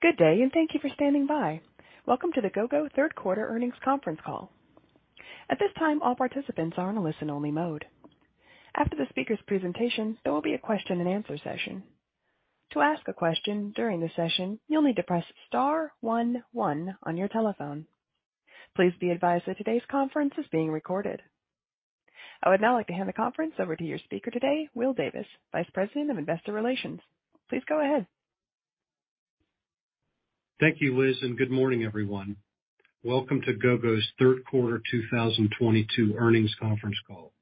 Good day, and thank you for standing by. Welcome to the Gogo Third Quarter Earnings Conference Call. At this time, all participants are on a listen-only mode. After the speaker's presentation, there will be a question-and-answer session. To ask a question during the session, you'll need to press star one one on your telephone. Please be advised that today's conference is being recorded. I would now like to hand the conference over to your speaker today, Will Davis, Vice President of Investor Relations. Please go ahead. Thank you, Liz, and good morning, everyone. Welcome to Gogo's Third Quarter 2022 Earnings Conference Call.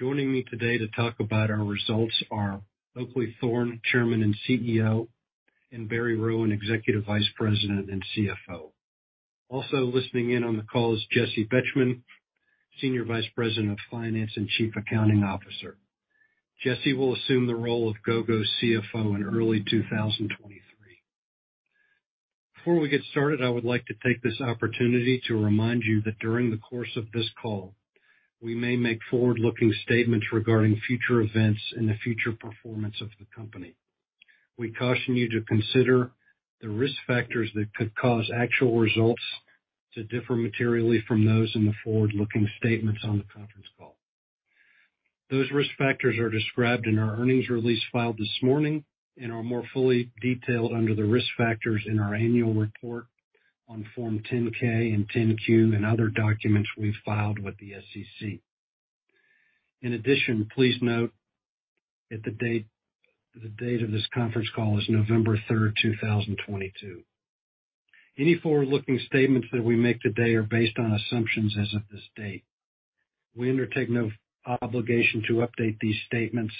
Joining me today to talk about our results are Oakleigh Thorne, Chairman and CEO, and Barry Rowan, Executive Vice President and CFO. Also listening in on the call is Jessi Betjemann, Senior Vice President of Finance and Chief Accounting Officer. Jessi will assume the role of Gogo's CFO in early 2023. Before we get started, I would like to take this opportunity to remind you that during the course of this call, we may make forward-looking statements regarding future events and the future performance of the company. We caution you to consider the risk factors that could cause actual results to differ materially from those in the forward-looking statements on the conference call. Those risk factors are described in our earnings release filed this morning and are more fully detailed under the risk factors in our annual report on Form 10-K and 10-Q and other documents we've filed with the SEC. In addition, please note that the date of this conference call is November 3rd, 2022. Any forward-looking statements that we make today are based on assumptions as of this date. We undertake no obligation to update these statements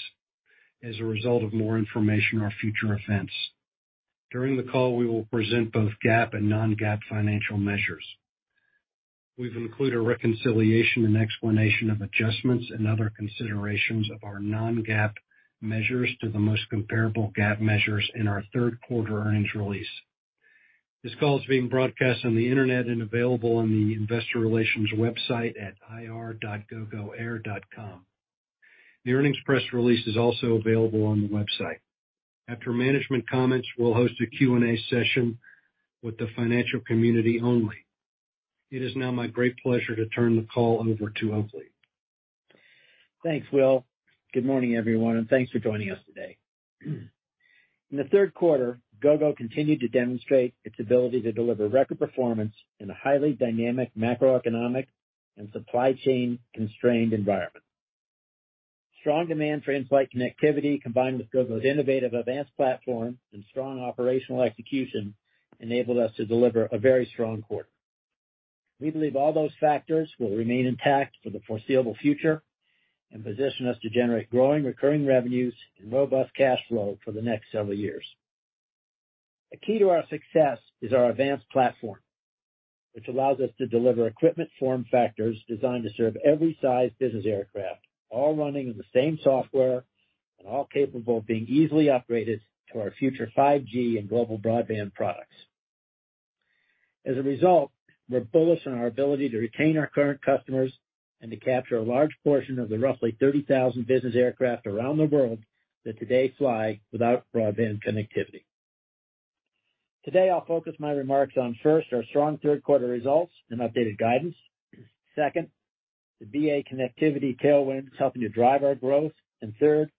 as a result of more information or future events. During the call, we will present both GAAP and non-GAAP financial measures. We've included a reconciliation and explanation of adjustments and other considerations of our non-GAAP measures to the most comparable GAAP measures in our third quarter earnings release. This call is being broadcast on the internet and available on the investor relations website at ir.gogoair.com. The earnings press release is also available on the website. After management comments, we'll host a Q&A session with the financial community only. It is now my great pleasure to turn the call over to Oakleigh. Thanks, Will. Good morning, everyone, and thanks for joining us today. In the third quarter, Gogo continued to demonstrate its ability to deliver record performance in a highly dynamic macroeconomic and supply chain constrained environment. Strong demand for in-flight connectivity, combined with Gogo's innovative AVANCE platform and strong operational execution, enabled us to deliver a very strong quarter. We believe all those factors will remain intact for the foreseeable future and position us to generate growing recurring revenues and robust cash flow for the next several years. A key to our success is our AVANCE platform, which allows us to deliver equipment form factors designed to serve every size business aircraft, all running on the same software and all capable of being easily upgraded to our future 5G and global broadband products. As a result, we're bullish on our ability to retain our current customers and to capture a large portion of the roughly 30,000 business aircraft around the world that today fly without broadband connectivity. Today, I'll focus my remarks on, first, our strong third quarter results and updated guidance. Second, the BA connectivity tailwind that's helping to drive our growth. Third,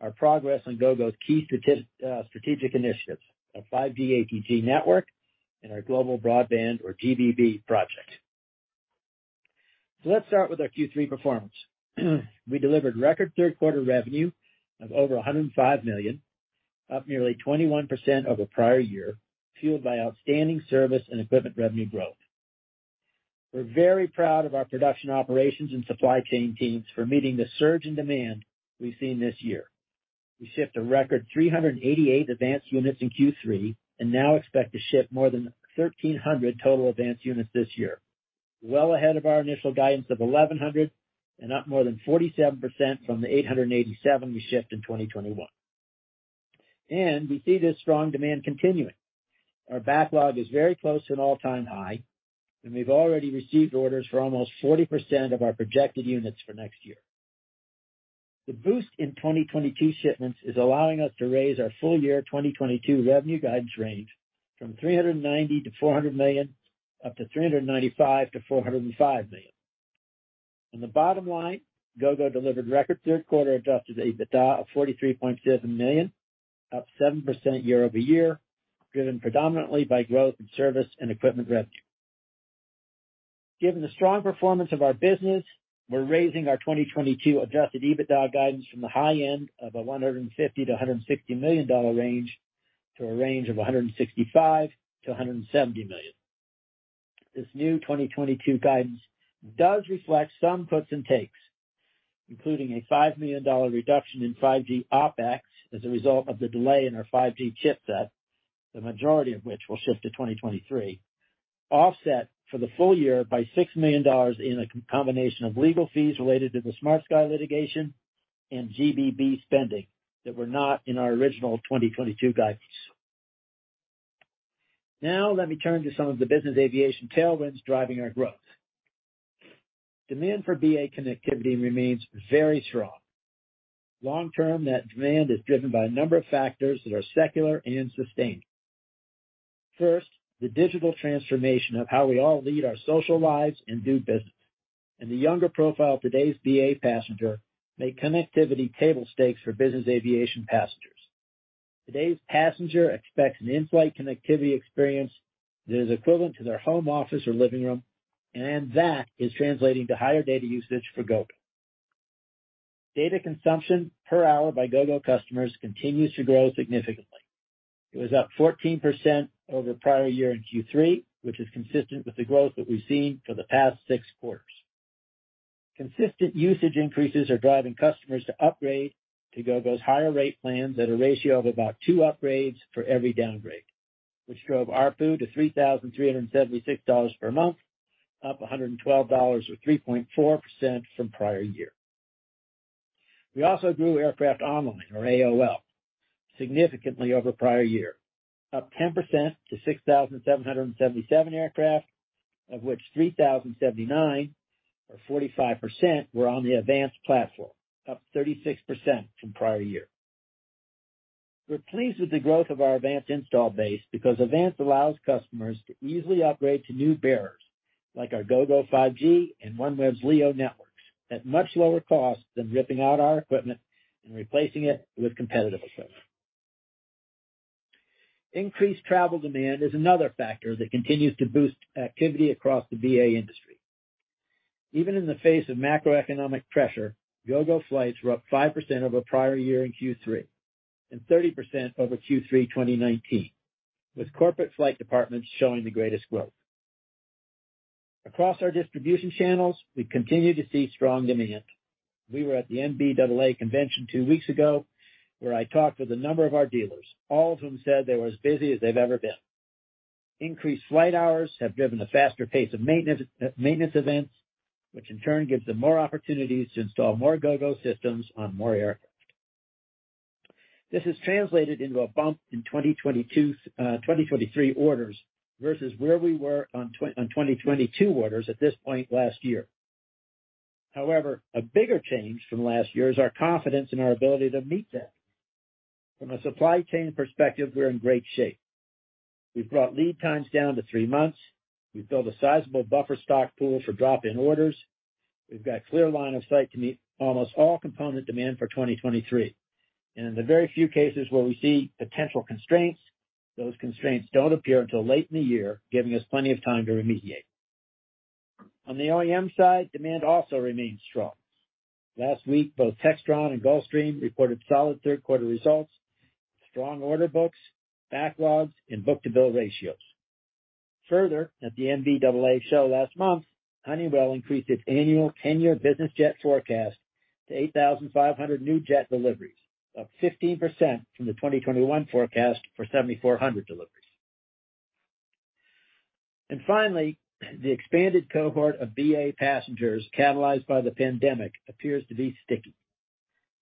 our progress on Gogo's key strategic initiatives, our 5G ATG network and our global broadband or GBB project. Let's start with our Q3 performance. We delivered record third quarter revenue of over $105 million, up nearly 21% over prior year, fueled by outstanding service and equipment revenue growth. We're very proud of our production operations and supply chain teams for meeting the surge in demand we've seen this year. We shipped a record 388 AVANCE units in Q3 and now expect to ship more than 1,300 total AVANCE units this year, well ahead of our initial guidance of 1,100 and up more than 47% from the 887 we shipped in 2021. We see this strong demand continuing. Our backlog is very close to an all-time high, and we've already received orders for almost 40% of our projected units for next year. The boost in 2022 shipments is allowing us to raise our full year 2022 revenue guidance range from $390 million-$400 million, up to $395 million-$405 million. On the bottom line, Gogo delivered record third quarter adjusted EBITDA of $43.7 million, up 7% year-over-year, driven predominantly by growth in service and equipment revenue. Given the strong performance of our business, we're raising our 2022 adjusted EBITDA guidance from the high end of a $150 million-$160 million range to a range of $165 million-$170 million. This new 2022 guidance does reflect some puts and takes, including a $5 million reduction in 5G OpEx as a result of the delay in our 5G chipset, the majority of which will shift to 2023, offset for the full year by $6 million in a combination of legal fees related to the SmartSky litigation and GBB spending that were not in our original 2022 guidance. Now let me turn to some of the business aviation tailwinds driving our growth. Demand for BA connectivity remains very strong. Long term, that demand is driven by a number of factors that are secular and sustained. First, the digital transformation of how we all lead our social lives and do business. The younger profile of today's BA passenger make connectivity table stakes for business aviation passengers. Today's passenger expects an in-flight connectivity experience that is equivalent to their home office or living room, and that is translating to higher data usage for Gogo. Data consumption per hour by Gogo customers continues to grow significantly. It was up 14% over prior year in Q3, which is consistent with the growth that we've seen for the past six quarters. Consistent usage increases are driving customers to upgrade to Gogo's higher rate plans at a ratio of about two upgrades for every downgrade, which drove ARPU to $3,376 per month, up $112 or 3.4% from prior year. We also grew aircraft online, or AOL, significantly over prior year, up 10% to 6,777 aircraft, of which 3,079, or 45%, were on the AVANCE platform, up 36% from prior year. We're pleased with the growth of our AVANCE install base because AVANCE allows customers to easily upgrade to new bearers, like our Gogo 5G and OneWeb's LEO networks, at much lower cost than ripping out our equipment and replacing it with competitive equipment. Increased travel demand is another factor that continues to boost activity across the BA industry. Even in the face of macroeconomic pressure, Gogo flights were up 5% over prior year in Q3 and 30% over Q3 2019, with corporate flight departments showing the greatest growth. Across our distribution channels, we continue to see strong demand. We were at the NBAA convention two weeks ago, where I talked with a number of our dealers, all of whom said they were as busy as they've ever been. Increased flight hours have driven a faster pace of maintenance events, which in turn gives them more opportunities to install more Gogo systems on more aircraft. This has translated into a bump in 2022, 2023 orders versus where we were on 2022 orders at this point last year. However, a bigger change from last year is our confidence in our ability to meet that. From a supply chain perspective, we're in great shape. We've brought lead times down to three months. We've built a sizable buffer stock pool for drop-in orders. We've got clear line of sight to meet almost all component demand for 2023. In the very few cases where we see potential constraints, those constraints don't appear until late in the year, giving us plenty of time to remediate. On the OEM side, demand also remains strong. Last week, both Textron and Gulfstream reported solid third quarter results, strong order books, backlogs, and book-to-bill ratios. Further, at the NBAA show last month, Honeywell increased its annual 10-year business jet forecast to 8,500 new jet deliveries, up 15% from the 2021 forecast for 7,400 deliveries. Finally, the expanded cohort of BA passengers catalyzed by the pandemic appears to be sticky.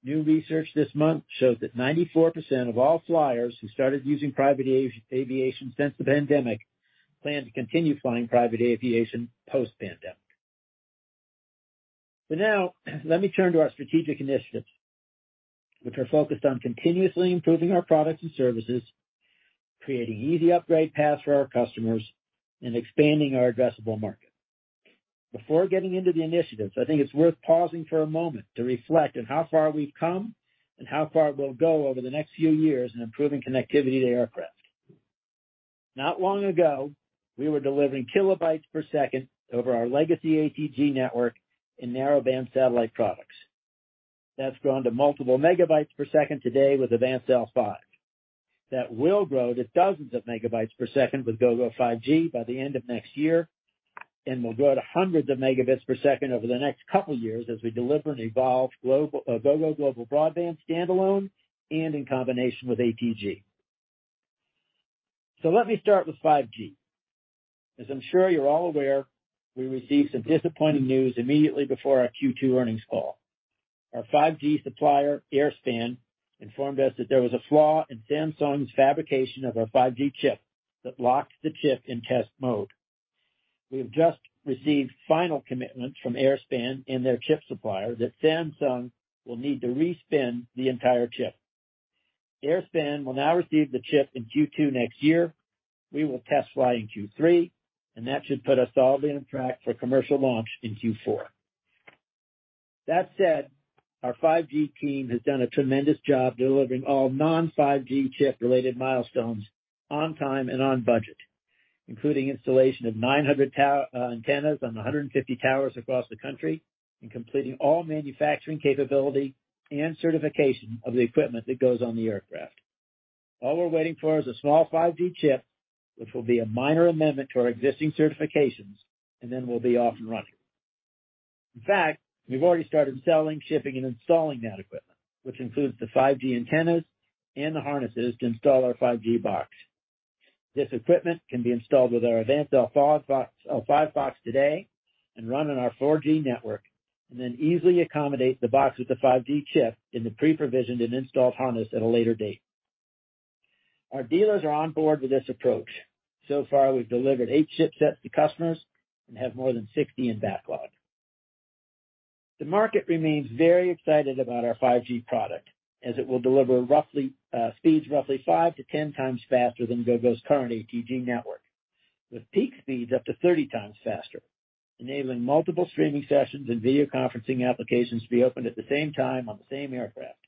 New research this month shows that 94% of all flyers who started using private aviation since the pandemic plan to continue flying private aviation post-pandemic. Now, let me turn to our strategic initiatives, which are focused on continuously improving our products and services, creating easy upgrade paths for our customers, and expanding our addressable market. Before getting into the initiatives, I think it's worth pausing for a moment to reflect on how far we've come and how far we'll go over the next few years in improving connectivity to aircraft. Not long ago, we were delivering kilobytes per second over our legacy ATG network and narrowband satellite products. That's grown to multiple megabytes per second today with AVANCE L5. That will grow to dozens of megabytes per second with Gogo 5G by the end of next year, and will grow to hundreds of megabits per second over the next couple years as we deliver and evolve global Gogo Global Broadband standalone and in combination with ATG. Let me start with 5G. As I'm sure you're all aware, we received some disappointing news immediately before our Q2 earnings call. Our 5G supplier, Airspan, informed us that there was a flaw in Samsung's fabrication of our 5G chip that locked the chip in test mode. We have just received final commitments from Airspan and their chip supplier that Samsung will need to respin the entire chip. Airspan will now receive the chip in Q2 next year. We will test fly in Q3, and that should put us solidly on track for commercial launch in Q4. That said, our 5G team has done a tremendous job delivering all non-5G chip-related milestones on time and on budget, including installation of 900 antennas on 150 towers across the country and completing all manufacturing capability and certification of the equipment that goes on the aircraft. All we're waiting for is a small 5G chip, which will be a minor amendment to our existing certifications, and then we'll be off and running. In fact, we've already started selling, shipping, and installing that equipment, which includes the 5G antennas and the harnesses to install our 5G box. This equipment can be installed with our AVANCE L5 box, L5 box today. It can run on our 4G network, and then easily accommodate the box with the 5G chip in the pre-provisioned and installed harness at a later date. Our dealers are on board with this approach. So far, we've delivered eight chipsets to customers and have more than 60 in backlog. The market remains very excited about our 5G product, as it will deliver roughly speeds roughly five to 10 times faster than Gogo's current ATG network, with peak speeds up to 30 times faster, enabling multiple streaming sessions and video conferencing applications to be opened at the same time on the same aircraft,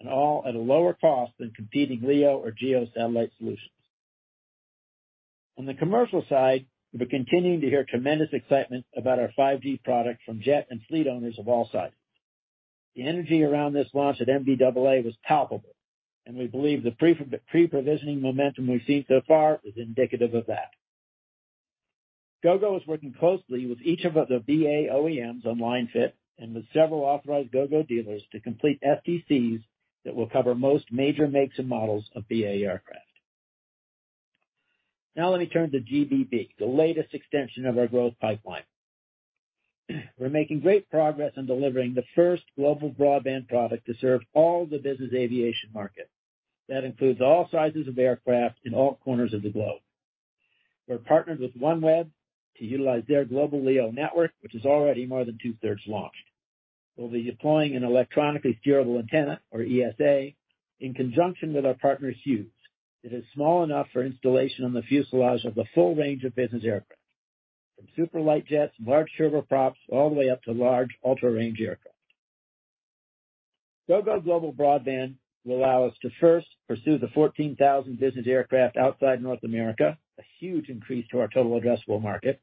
and all at a lower cost than competing LEO or GEO satellite solutions. On the commercial side, we're continuing to hear tremendous excitement about our 5G product from jet and fleet owners of all sizes. The energy around this launch at NBAA was palpable, and we believe the pre-provisioning momentum we've seen so far is indicative of that. Gogo is working closely with each of the BA OEMs on line fit and with several authorized Gogo dealers to complete STCs that will cover most major makes and models of BA aircraft. Now let me turn to GBB, the latest extension of our growth pipeline. We're making great progress on delivering the first global broadband product to serve all the business aviation market. That includes all sizes of aircraft in all corners of the globe. We're partnered with OneWeb to utilize their global LEO network, which is already more than two-thirds launched. We'll be deploying an electronically steerable antenna, or ESA, in conjunction with our partner, Hughes. It is small enough for installation on the fuselage of the full range of business aircraft, from super light jets, large turboprops, all the way up to large ultra-range aircraft. Gogo Global Broadband will allow us to first pursue the 14,000 business aircraft outside North America, a huge increase to our total addressable market.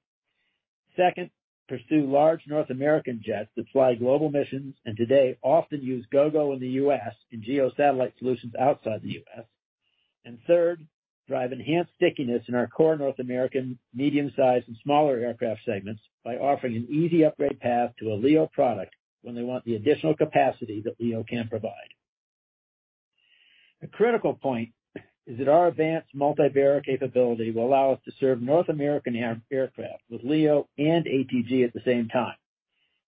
Second, pursue large North American jets that fly global missions, and today often use Gogo in the U.S. and GEO satellite solutions outside the U.S. Third, drive enhanced stickiness in our core North American medium-sized and smaller aircraft segments by offering an easy upgrade path to a LEO product when they want the additional capacity that LEO can provide. A critical point is that our AVANCE multi-band capability will allow us to serve North American aircraft with LEO and ATG at the same time,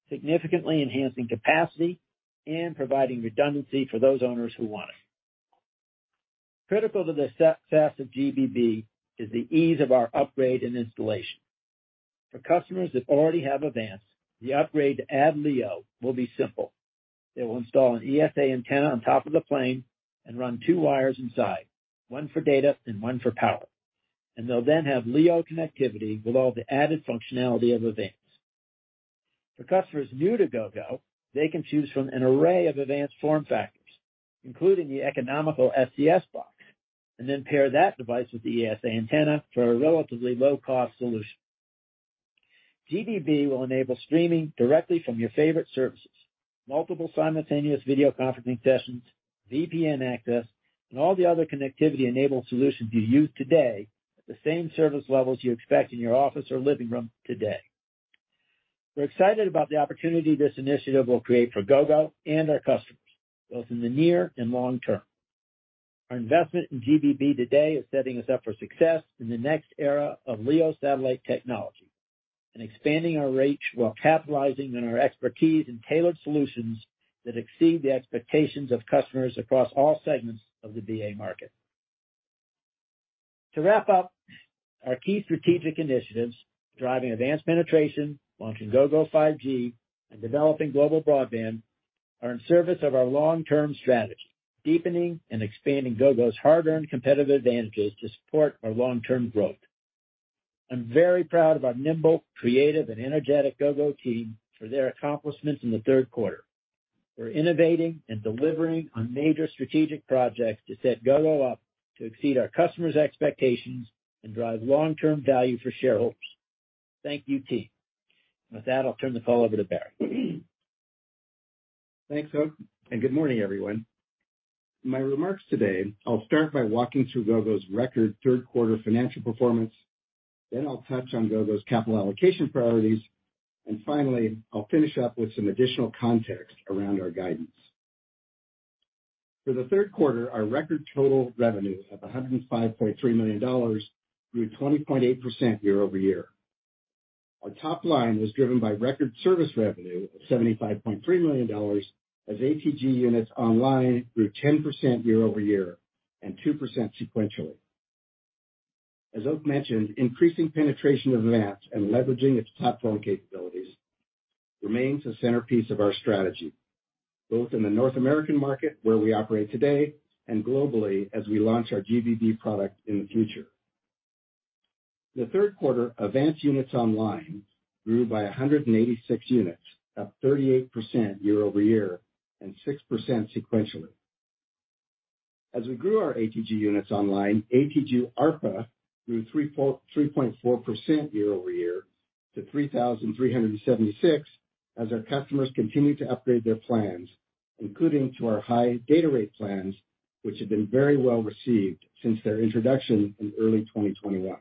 significantly enhancing capacity and providing redundancy for those owners who want it. Critical to the success of GBB is the ease of our upgrade and installation. For customers that already have AVANCE, the upgrade to add LEO will be simple. They will install an ESA antenna on top of the plane and run two wires inside, one for data and one for power. They'll then have LEO connectivity with all the added functionality of AVANCE. For customers new to Gogo, they can choose from an array of AVANCE form factors, including the economical SCS box, and then pair that device with the ESA antenna for a relatively low-cost solution. GBB will enable streaming directly from your favorite services, multiple simultaneous video conferencing sessions, VPN access, and all the other connectivity-enabled solutions you use today at the same service levels you expect in your office or living room today. We're excited about the opportunity this initiative will create for Gogo and our customers, both in the near and long term. Our investment in GBB today is setting us up for success in the next era of LEO satellite technology and expanding our reach while capitalizing on our expertise in tailored solutions that exceed the expectations of customers across all segments of the BA market. To wrap up, our key strategic initiatives, driving AVANCE penetration, launching Gogo 5G, and developing Global Broadband, are in service of our long-term strategy, deepening and expanding Gogo's hard-earned competitive advantages to support our long-term growth. I'm very proud of our nimble, creative and energetic Gogo team for their accomplishments in the third quarter. We're innovating and delivering on major strategic projects to set Gogo up to exceed our customers' expectations and drive long-term value for shareholders. Thank you, team. With that, I'll turn the call over to Barry. Thanks, Oak, and good morning, everyone. My remarks today, I'll start by walking through Gogo's record third quarter financial performance, then I'll touch on Gogo's capital allocation priorities, and finally, I'll finish up with some additional context around our guidance. For the third quarter, our record total revenue of $105.3 million grew 20.8% year-over-year. Our top line was driven by record service revenue of $75.3 million, as ATG units online grew 10% year-over-year and 2% sequentially. As Oak mentioned, increasing penetration of AVANCE and leveraging its platform capabilities remains a centerpiece of our strategy, both in the North American market where we operate today, and globally as we launch our GBB product in the future. The third quarter AVANCE units online grew by 186 units, up 38% year-over-year and 6% sequentially. As we grew our ATG units online, ATG ARPA grew 3.4% year-over-year to $3,376 as our customers continued to upgrade their plans, including to our high data rate plans, which have been very well-received since their introduction in early 2021.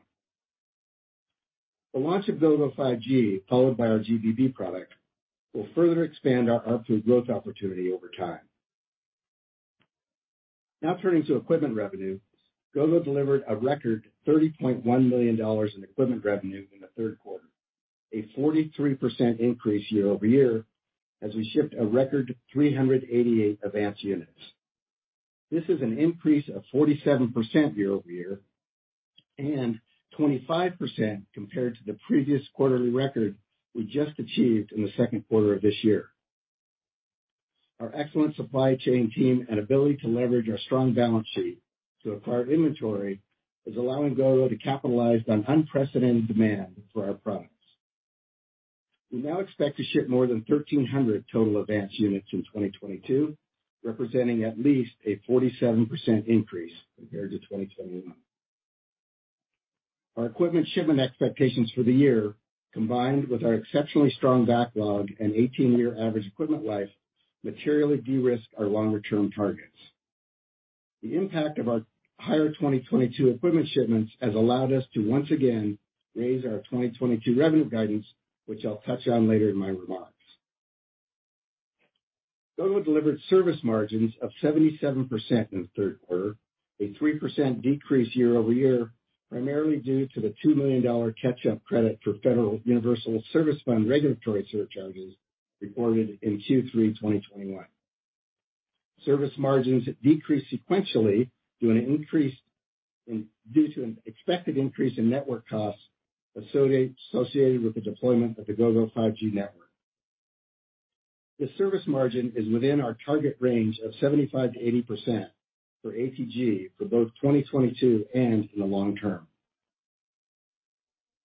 The launch of Gogo 5G, followed by our GBB product, will further expand our ARPA growth opportunity over time. Now turning to equipment revenue. Gogo delivered a record $30.1 million in equipment revenue in the third quarter, a 43% increase year-over-year as we shipped a record 388 AVANCE units. This is an increase of 47% year-over-year and 25% compared to the previous quarterly record we just achieved in the second quarter of this year. Our excellent supply chain team and ability to leverage our strong balance sheet to acquire inventory is allowing Gogo to capitalize on unprecedented demand for our products. We now expect to ship more than 1,300 total AVANCE units in 2022, representing at least a 47% increase compared to 2021. Our equipment shipment expectations for the year, combined with our exceptionally strong backlog and 18-year average equipment life, materially de-risk our longer-term targets. The impact of our higher 2022 equipment shipments has allowed us to once again raise our 2022 revenue guidance, which I'll touch on later in my remarks. Gogo delivered service margins of 77% in the third quarter, a 3% decrease year-over-year, primarily due to the $2 million catch up credit for Federal Universal Service Fund regulatory surcharges reported in Q3 2021. Service margins decreased sequentially due to an expected increase in network costs associated with the deployment of the Gogo 5G network. The service margin is within our target range of 75%-80% for ATG for both 2022 and in the long term.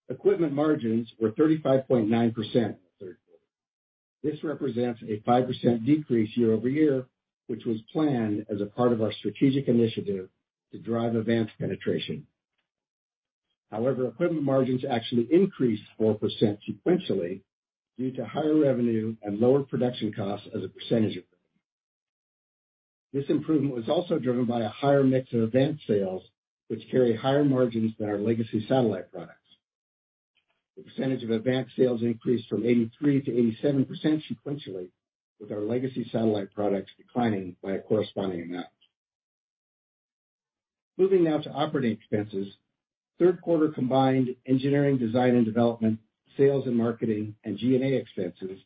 Equipment margins were 35.9% in the third quarter. This represents a 5% decrease year-over-year, which was planned as a part of our strategic initiative to drive AVANCE penetration. However, equipment margins actually increased 4% sequentially due to higher revenue and lower production costs as a percentage of revenue. This improvement was also driven by a higher mix of AVANCE sales, which carry higher margins than our legacy satellite products. The percentage of AVANCE sales increased from 83% to 87% sequentially, with our legacy satellite products declining by a corresponding amount. Moving now to operating expenses. Third quarter combined engineering, design and development, sales and marketing, and G&A expenses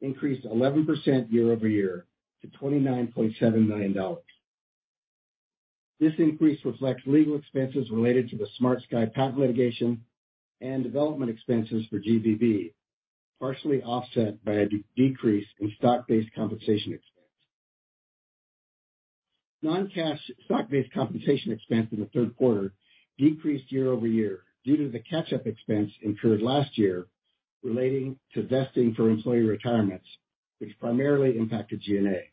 increased 11% year-over-year to $29.7 million. This increase reflects legal expenses related to the SmartSky Networks patent litigation and development expenses for GBB, partially offset by a decrease in stock-based compensation expense. Non-cash stock-based compensation expense in the third quarter decreased year-over-year due to the catch up expense incurred last year relating to vesting for employee retirements, which primarily impacted G&A.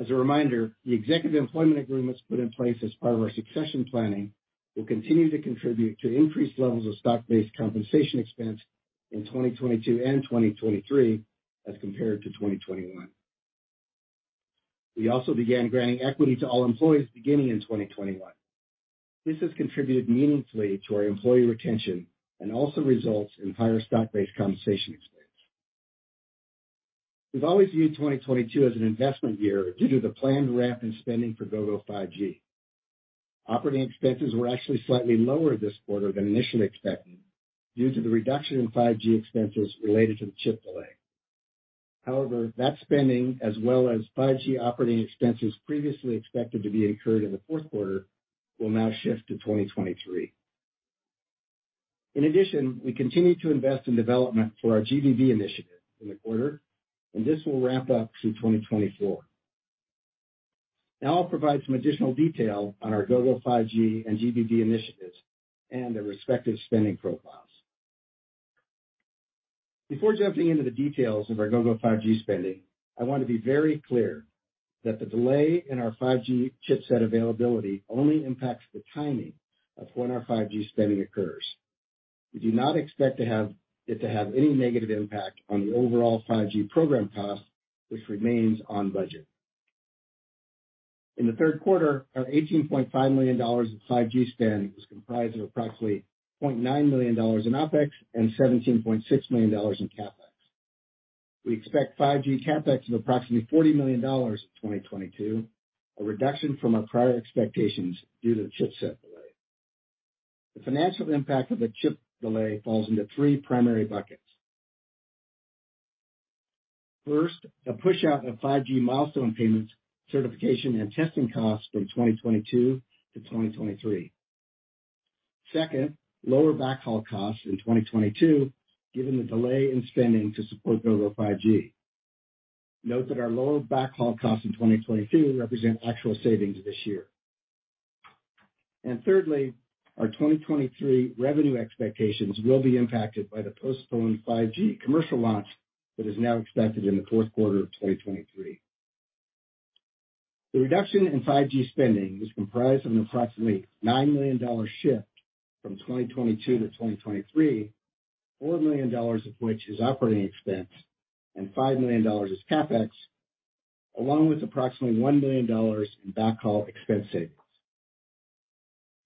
As a reminder, the executive employment agreements put in place as part of our succession planning will continue to contribute to increased levels of stock-based compensation expense in 2022 and 2023 as compared to 2021. We also began granting equity to all employees beginning in 2021. This has contributed meaningfully to our employee retention and also results in higher stock-based compensation expense. We've always viewed 2022 as an investment year due to the planned ramp in spending for Gogo 5G. Operating expenses were actually slightly lower this quarter than initially expected due to the reduction in 5G expenses related to the chip delay. However, that spending as well as 5G operating expenses previously expected to be incurred in the fourth quarter will now shift to 2023. In addition, we continue to invest in development for our GBB initiative in the quarter, and this will ramp up through 2024. Now I'll provide some additional detail on our Gogo 5G and GBB initiatives and their respective spending profiles. Before jumping into the details of our Gogo 5G spending, I want to be very clear that the delay in our 5G chipset availability only impacts the timing of when our 5G spending occurs. We do not expect it to have any negative impact on the overall 5G program cost, which remains on budget. In the third quarter, our $18.5 million in 5G spending was comprised of approximately $0.9 million in OpEx and $17.6 million in CapEx. We expect 5G CapEx of approximately $40 million in 2022, a reduction from our prior expectations due to the chipset delay. The financial impact of the chip delay falls into three primary buckets. First, a push out of 5G milestone payments, certification and testing costs from 2022 to 2023. Second, lower backhaul costs in 2022, given the delay in spending to support Gogo 5G. Note that our lower backhaul costs in 2022 represent actual savings this year. Thirdly, our 2023 revenue expectations will be impacted by the postponed 5G commercial launch that is now expected in the fourth quarter of 2023. The reduction in 5G spending is comprised of an approximately $9 million shift from 2022 to 2023, $4 million of which is operating expense and $5 million is CapEx, along with approximately $1 million in backhaul expense savings.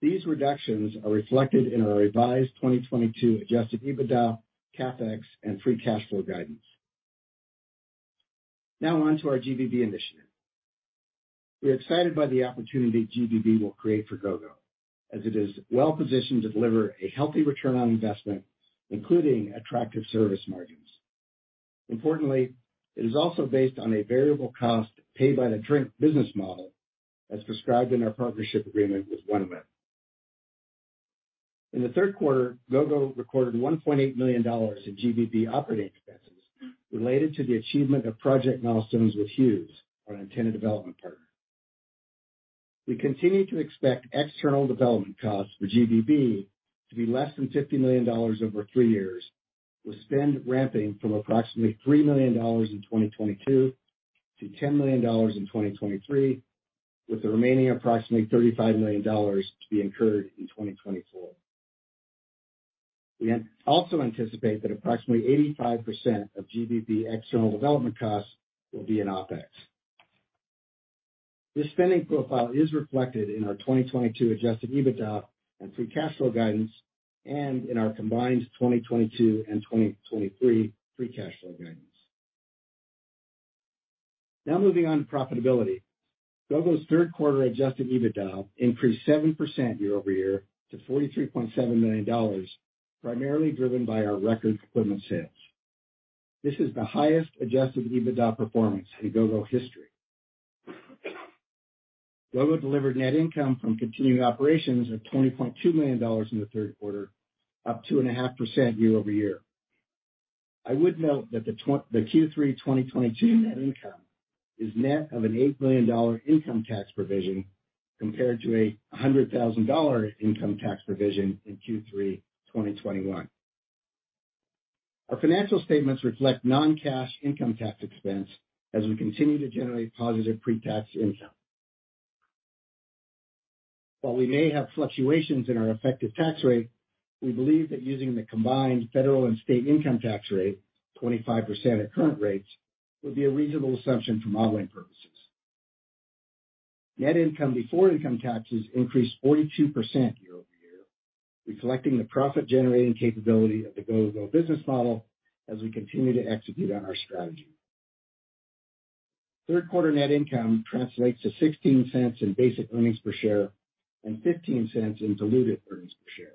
These reductions are reflected in our revised 2022 adjusted EBITDA, CapEx, and free cash flow guidance. Now on to our GBB initiative. We are excited by the opportunity GBB will create for Gogo, as it is well-positioned to deliver a healthy return on investment, including attractive service margins. Importantly, it is also based on a variable cost paid by the drink business model, as prescribed in our partnership agreement with OneWeb. In the third quarter, Gogo recorded $1.8 million in GBB operating expenses related to the achievement of project milestones with Hughes, our antenna development partner. We continue to expect external development costs for GBB to be less than $50 million over three years, with spend ramping from approximately $3 million in 2022 to $10 million in 2023, with the remaining approximately $35 million to be incurred in 2024. We also anticipate that approximately 85% of GBB external development costs will be in OpEx. This spending profile is reflected in our 2022 adjusted EBITDA and free cash flow guidance, and in our combined 2022 and 2023 free cash flow guidance. Now moving on to profitability. Gogo's third quarter adjusted EBITDA increased 7% year-over-year to $43.7 million, primarily driven by our record equipment sales. This is the highest adjusted EBITDA performance in Gogo history. Gogo delivered net income from continuing operations of $20.2 million in the third quarter, up 2.5% year-over-year. I would note that the Q3 2022 net income is net of an $8 million income tax provision, compared to a $100,000 income tax provision in Q3 2021. Our financial statements reflect non-cash income tax expense as we continue to generate positive pre-tax income. While we may have fluctuations in our effective tax rate, we believe that using the combined federal and state income tax rate, 25% at current rates, would be a reasonable assumption for modeling purposes. Net income before income taxes increased 42% year-over-year, reflecting the profit-generating capability of the Gogo business model as we continue to execute on our strategy. Third quarter net income translates to $0.16 in basic earnings per share and $0.15 in diluted earnings per share.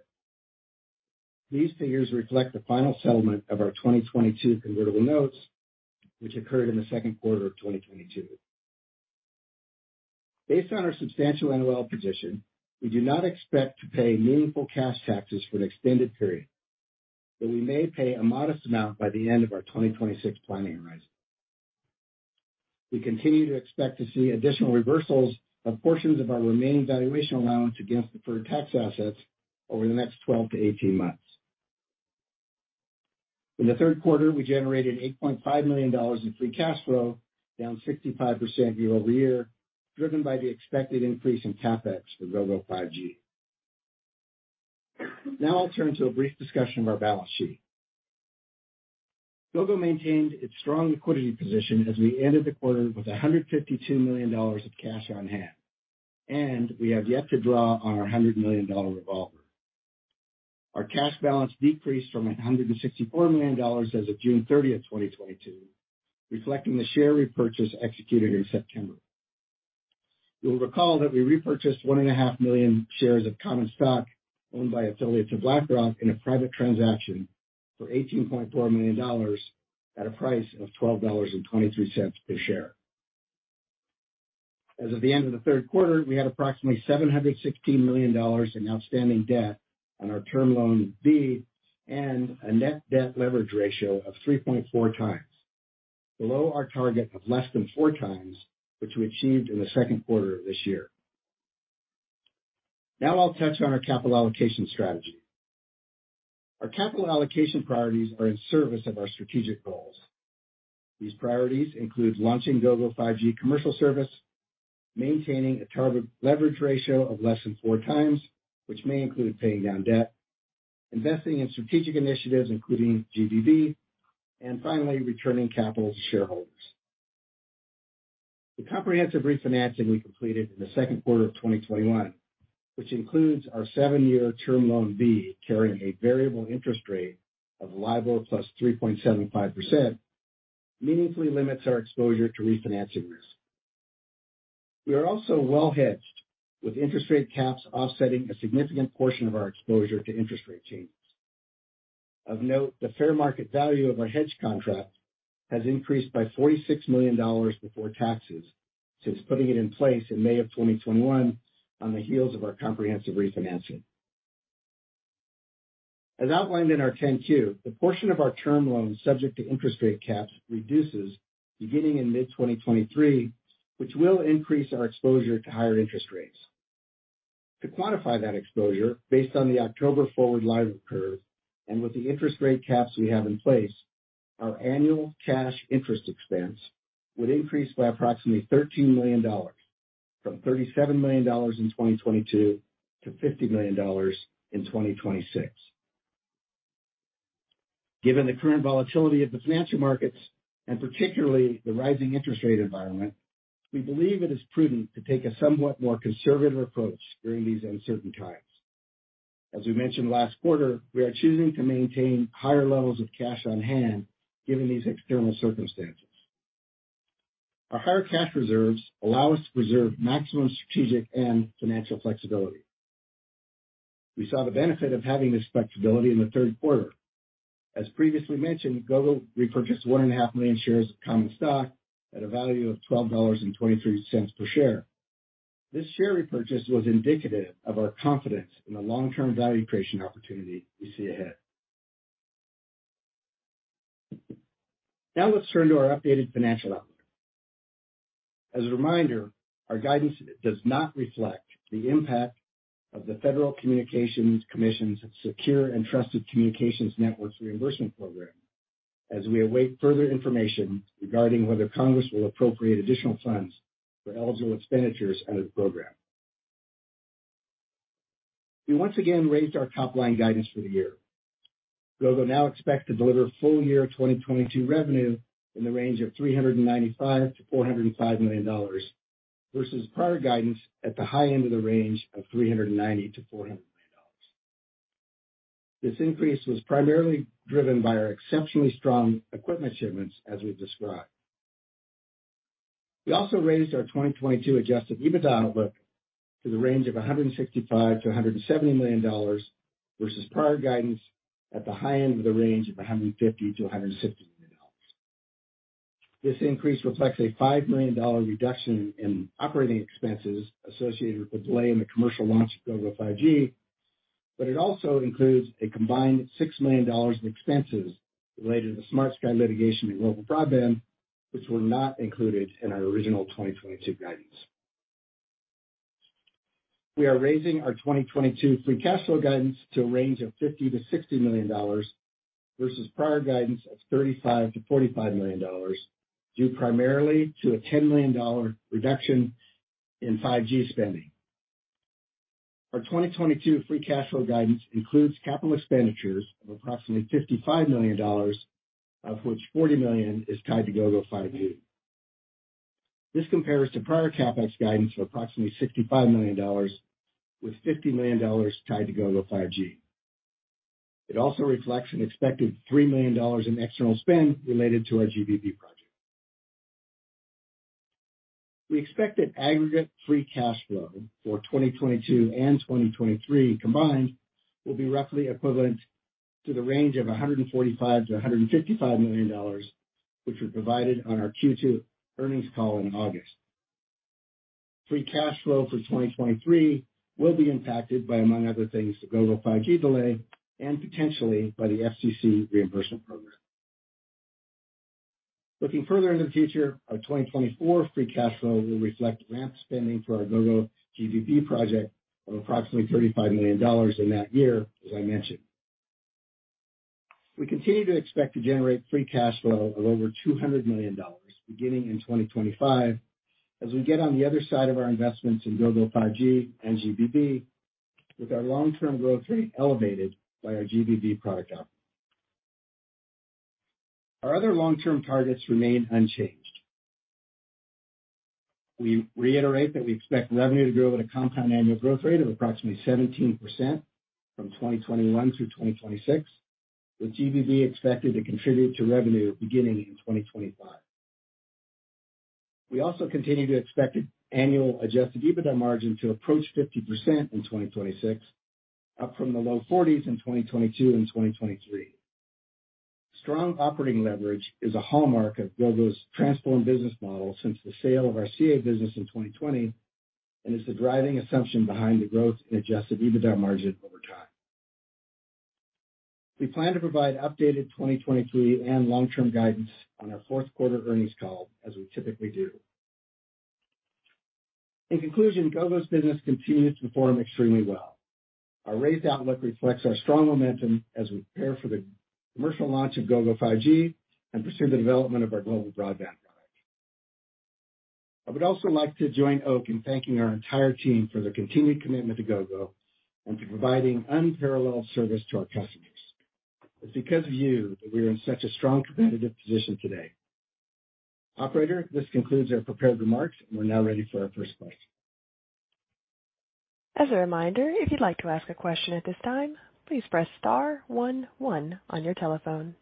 These figures reflect the final settlement of our 2022 convertible notes, which occurred in the second quarter of 2022. Based on our substantial NOL position, we do not expect to pay meaningful cash taxes for an extended period, but we may pay a modest amount by the end of our 2026 planning horizon. We continue to expect to see additional reversals of portions of our remaining valuation allowance against deferred tax assets over the next 12 to 18 months. In the third quarter, we generated $8.5 million in free cash flow, down 65% year-over-year, driven by the expected increase in CapEx for Gogo 5G. Now I'll turn to a brief discussion of our balance sheet. Gogo maintained its strong liquidity position as we ended the quarter with $152 million of cash on hand, and we have yet to draw on our $100 million revolver. Our cash balance decreased from $164 million as of June 30th, 2022, reflecting the share repurchase executed in September. You'll recall that we repurchased 1.5 million shares of common stock owned by affiliates of BlackRock in a private transaction for $18.4 million at a price of $12.23 per share. As of the end of the third quarter, we had approximately $716 million in outstanding debt on our Term Loan B, and a net debt leverage ratio of 3.4 times, below our target of less than 4 times, which we achieved in the second quarter of this year. Now I'll touch on our capital allocation strategy. Our capital allocation priorities are in service of our strategic goals. These priorities include launching Gogo 5G commercial service, maintaining a target leverage ratio of less than 4 times, which may include paying down debt, investing in strategic initiatives, including GBB, and finally, returning capital to shareholders. The comprehensive refinancing we completed in the second quarter of 2021, which includes our seven-year Term Loan B, carrying a variable interest rate of LIBOR plus 3.75%, meaningfully limits our exposure to refinancing risk. We are also well hedged, with interest rate caps offsetting a significant portion of our exposure to interest rate changes. Of note, the fair market value of our hedge contract has increased by $46 million before taxes since putting it in place in May of 2021 on the heels of our comprehensive refinancing. As outlined in our 10-Q, the portion of our term loan subject to interest rate caps reduces beginning in mid-2023, which will increase our exposure to higher interest rates. To quantify that exposure based on the October forward LIBOR curve, and with the interest rate caps we have in place, our annual cash interest expense would increase by approximately $13 million, from $37 million in 2022 to $50 million in 2026. Given the current volatility of the financial markets, and particularly the rising interest rate environment, we believe it is prudent to take a somewhat more conservative approach during these uncertain times. As we mentioned last quarter, we are choosing to maintain higher levels of cash on hand given these external circumstances. Our higher cash reserves allow us to preserve maximum strategic and financial flexibility. We saw the benefit of having this flexibility in the third quarter. As previously mentioned, Gogo repurchased 1.5 million shares of common stock at a value of $12.23 per share. This share repurchase was indicative of our confidence in the long-term value creation opportunity we see ahead. Now let's turn to our updated financial outlook. As a reminder, our guidance does not reflect the impact of the Federal Communications Commission's Secure and Trusted Communications Networks reimbursement program as we await further information regarding whether Congress will appropriate additional funds for eligible expenditures under the program. We once again raised our top-line guidance for the year. Gogo now expects to deliver full year 2022 revenue in the range of $395 million-$405 million versus prior guidance at the high end of the range of $390 million-$400 million. This increase was primarily driven by our exceptionally strong equipment shipments, as we've described. We also raised our 2022 adjusted EBITDA outlook to the range of $165 million-$170 million versus prior guidance at the high end of the range of $150 million-$160 million. This increase reflects a $5 million reduction in operating expenses associated with the delay in the commercial launch of Gogo 5G, but it also includes a combined $6 million in expenses related to the SmartSky Networks litigation and global broadband, which were not included in our original 2022 guidance. We are raising our 2022 free cash flow guidance to a range of $50 million-$60 million versus prior guidance of $35 million-$45 million, due primarily to a $10 million reduction in 5G spending. Our 2022 free cash flow guidance includes capital expenditures of approximately $55 million, of which $40 million is tied to Gogo 5G. This compares to prior CapEx guidance of approximately $65 million, with $50 million tied to Gogo 5G. It also reflects an expected $3 million in external spend related to our GBB project. We expect that aggregate free cash flow for 2022 and 2023 combined will be roughly equivalent to the range of $145 million-$155 million, which was provided on our Q2 earnings call in August. Free cash flow for 2023 will be impacted by, among other things, the Gogo 5G delay and potentially by the FCC reimbursement program. Looking further into the future, our 2024 free cash flow will reflect ramp spending for our Gogo GBB project of approximately $35 million in that year, as I mentioned. We continue to expect to generate free cash flow of over $200 million beginning in 2025 as we get on the other side of our investments in Gogo 5G and GBB, with our long-term growth rate elevated by our GBB product offering. Our other long-term targets remain unchanged. We reiterate that we expect revenue to grow at a compound annual growth rate of approximately 17% from 2021 through 2026, with GBB expected to contribute to revenue beginning in 2025. We also continue to expect annual adjusted EBITDA margin to approach 50% in 2026, up from the low 40s% in 2022 and 2023. Strong operating leverage is a hallmark of Gogo's transformed business model since the sale of our CA business in 2020 and is the driving assumption behind the growth in adjusted EBITDA margin over time. We plan to provide updated 2023 and long-term guidance on our fourth quarter earnings call, as we typically do. In conclusion, Gogo's business continues to perform extremely well. Our raised outlook reflects our strong momentum as we prepare for the commercial launch of Gogo 5G and pursue the development of our global broadband product. I would also like to join Oak in thanking our entire team for their continued commitment to Gogo and to providing unparalleled service to our customers. It's because of you that we are in such a strong competitive position today. Operator, this concludes our prepared remarks. We're now ready for our first question. As a reminder, if you'd like to ask a question at this time, please press star one one on your telephone.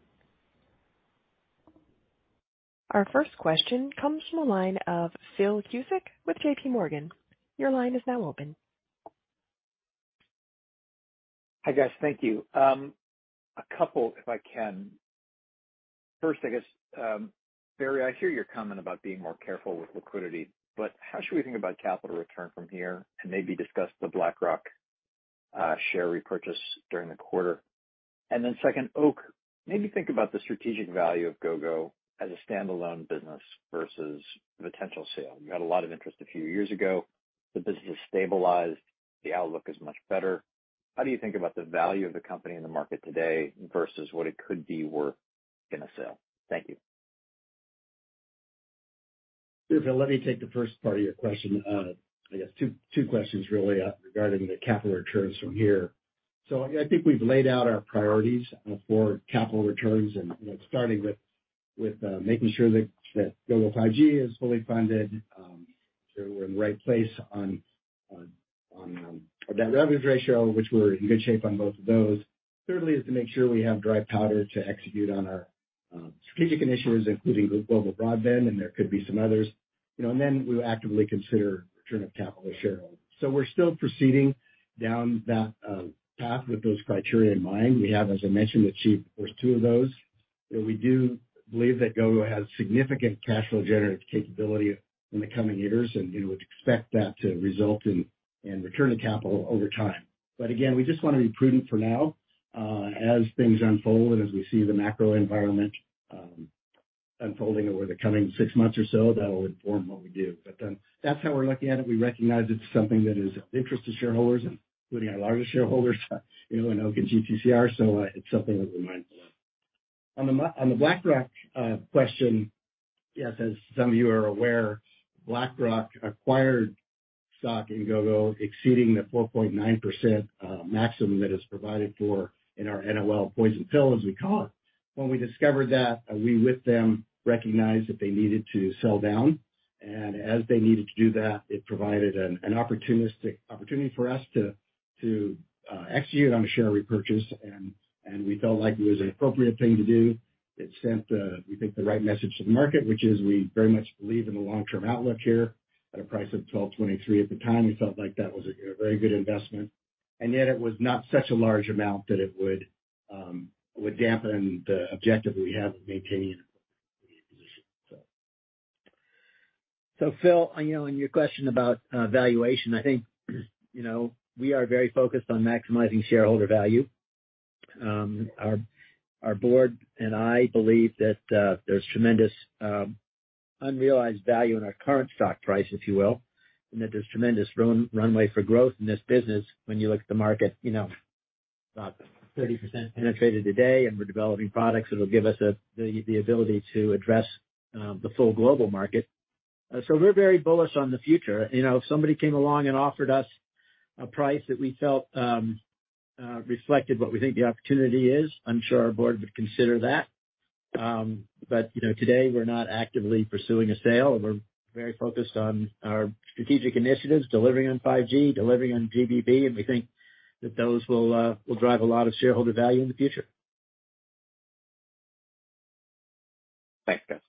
Our first question comes from the line of Phil Cusick with JPMorgan. Your line is now open. Hi, guys. Thank you. A couple if I can. First, I guess, Barry, I hear your comment about being more careful with liquidity, but how should we think about capital return from here and maybe discuss the BlackRock share repurchase during the quarter? Second, Oak, maybe think about the strategic value of Gogo as a standalone business versus potential sale. You had a lot of interest a few years ago. The business has stabilized. The outlook is much better. How do you think about the value of the company in the market today versus what it could be worth in a sale? Thank you. Sure, Phil, let me take the first part of your question. I guess two questions really regarding the capital returns from here. I think we've laid out our priorities for capital returns and, you know, starting with making sure that Gogo 5G is fully funded, so we're in the right place on our debt-to-revenues ratio, which we're in good shape on both of those. Thirdly is to make sure we have dry powder to execute on our strategic initiatives, including global broadband, and there could be some others. You know, and then we would actively consider return of capital to shareholders. We're still proceeding down that path with those criteria in mind. We have, as I mentioned, achieved the first two of those. You know, we do believe that Gogo has significant cash flow generative capability in the coming years, and we would expect that to result in return of capital over time. Again, we just wanna be prudent for now. As things unfold, as we see the macro environment unfolding over the coming six months or so, that'll inform what we do. That's how we're looking at it. We recognize it's something that is of interest to shareholders, including our largest shareholders, you know, [INO] and GTCR, so it's something that we're mindful of. On the BlackRock question, yes, as some of you are aware, BlackRock acquired stock in Gogo exceeding the 4.9% maximum that is provided for in our NOL poison pill, as we call it. When we discovered that, we with them recognized that they needed to sell down, and as they needed to do that, it provided an opportunistic opportunity for us to execute on a share repurchase, and we felt like it was an appropriate thing to do. It sent, we think, the right message to the market, which is we very much believe in the long-term outlook here. At a price of $12.23 at the time, we felt like that was a very good investment, and yet it was not such a large amount that it would dampen the objective that we have of maintaining an appropriate position. Phil, you know, on your question about valuation, I think, you know, we are very focused on maximizing shareholder value. Our board and I believe that there's tremendous unrealized value in our current stock price, if you will, and that there's tremendous runway for growth in this business when you look at the market, you know, about 30% penetrated today, and we're developing products that'll give us the ability to address the full global market. We're very bullish on the future. You know, if somebody came along and offered us a price that we felt reflected what we think the opportunity is, I'm sure our board would consider that. You know, today we're not actively pursuing a sale. We're very focused on our strategic initiatives, delivering on 5G, delivering on GBB, and we think that those will drive a lot of shareholder value in the future. Thanks, guys.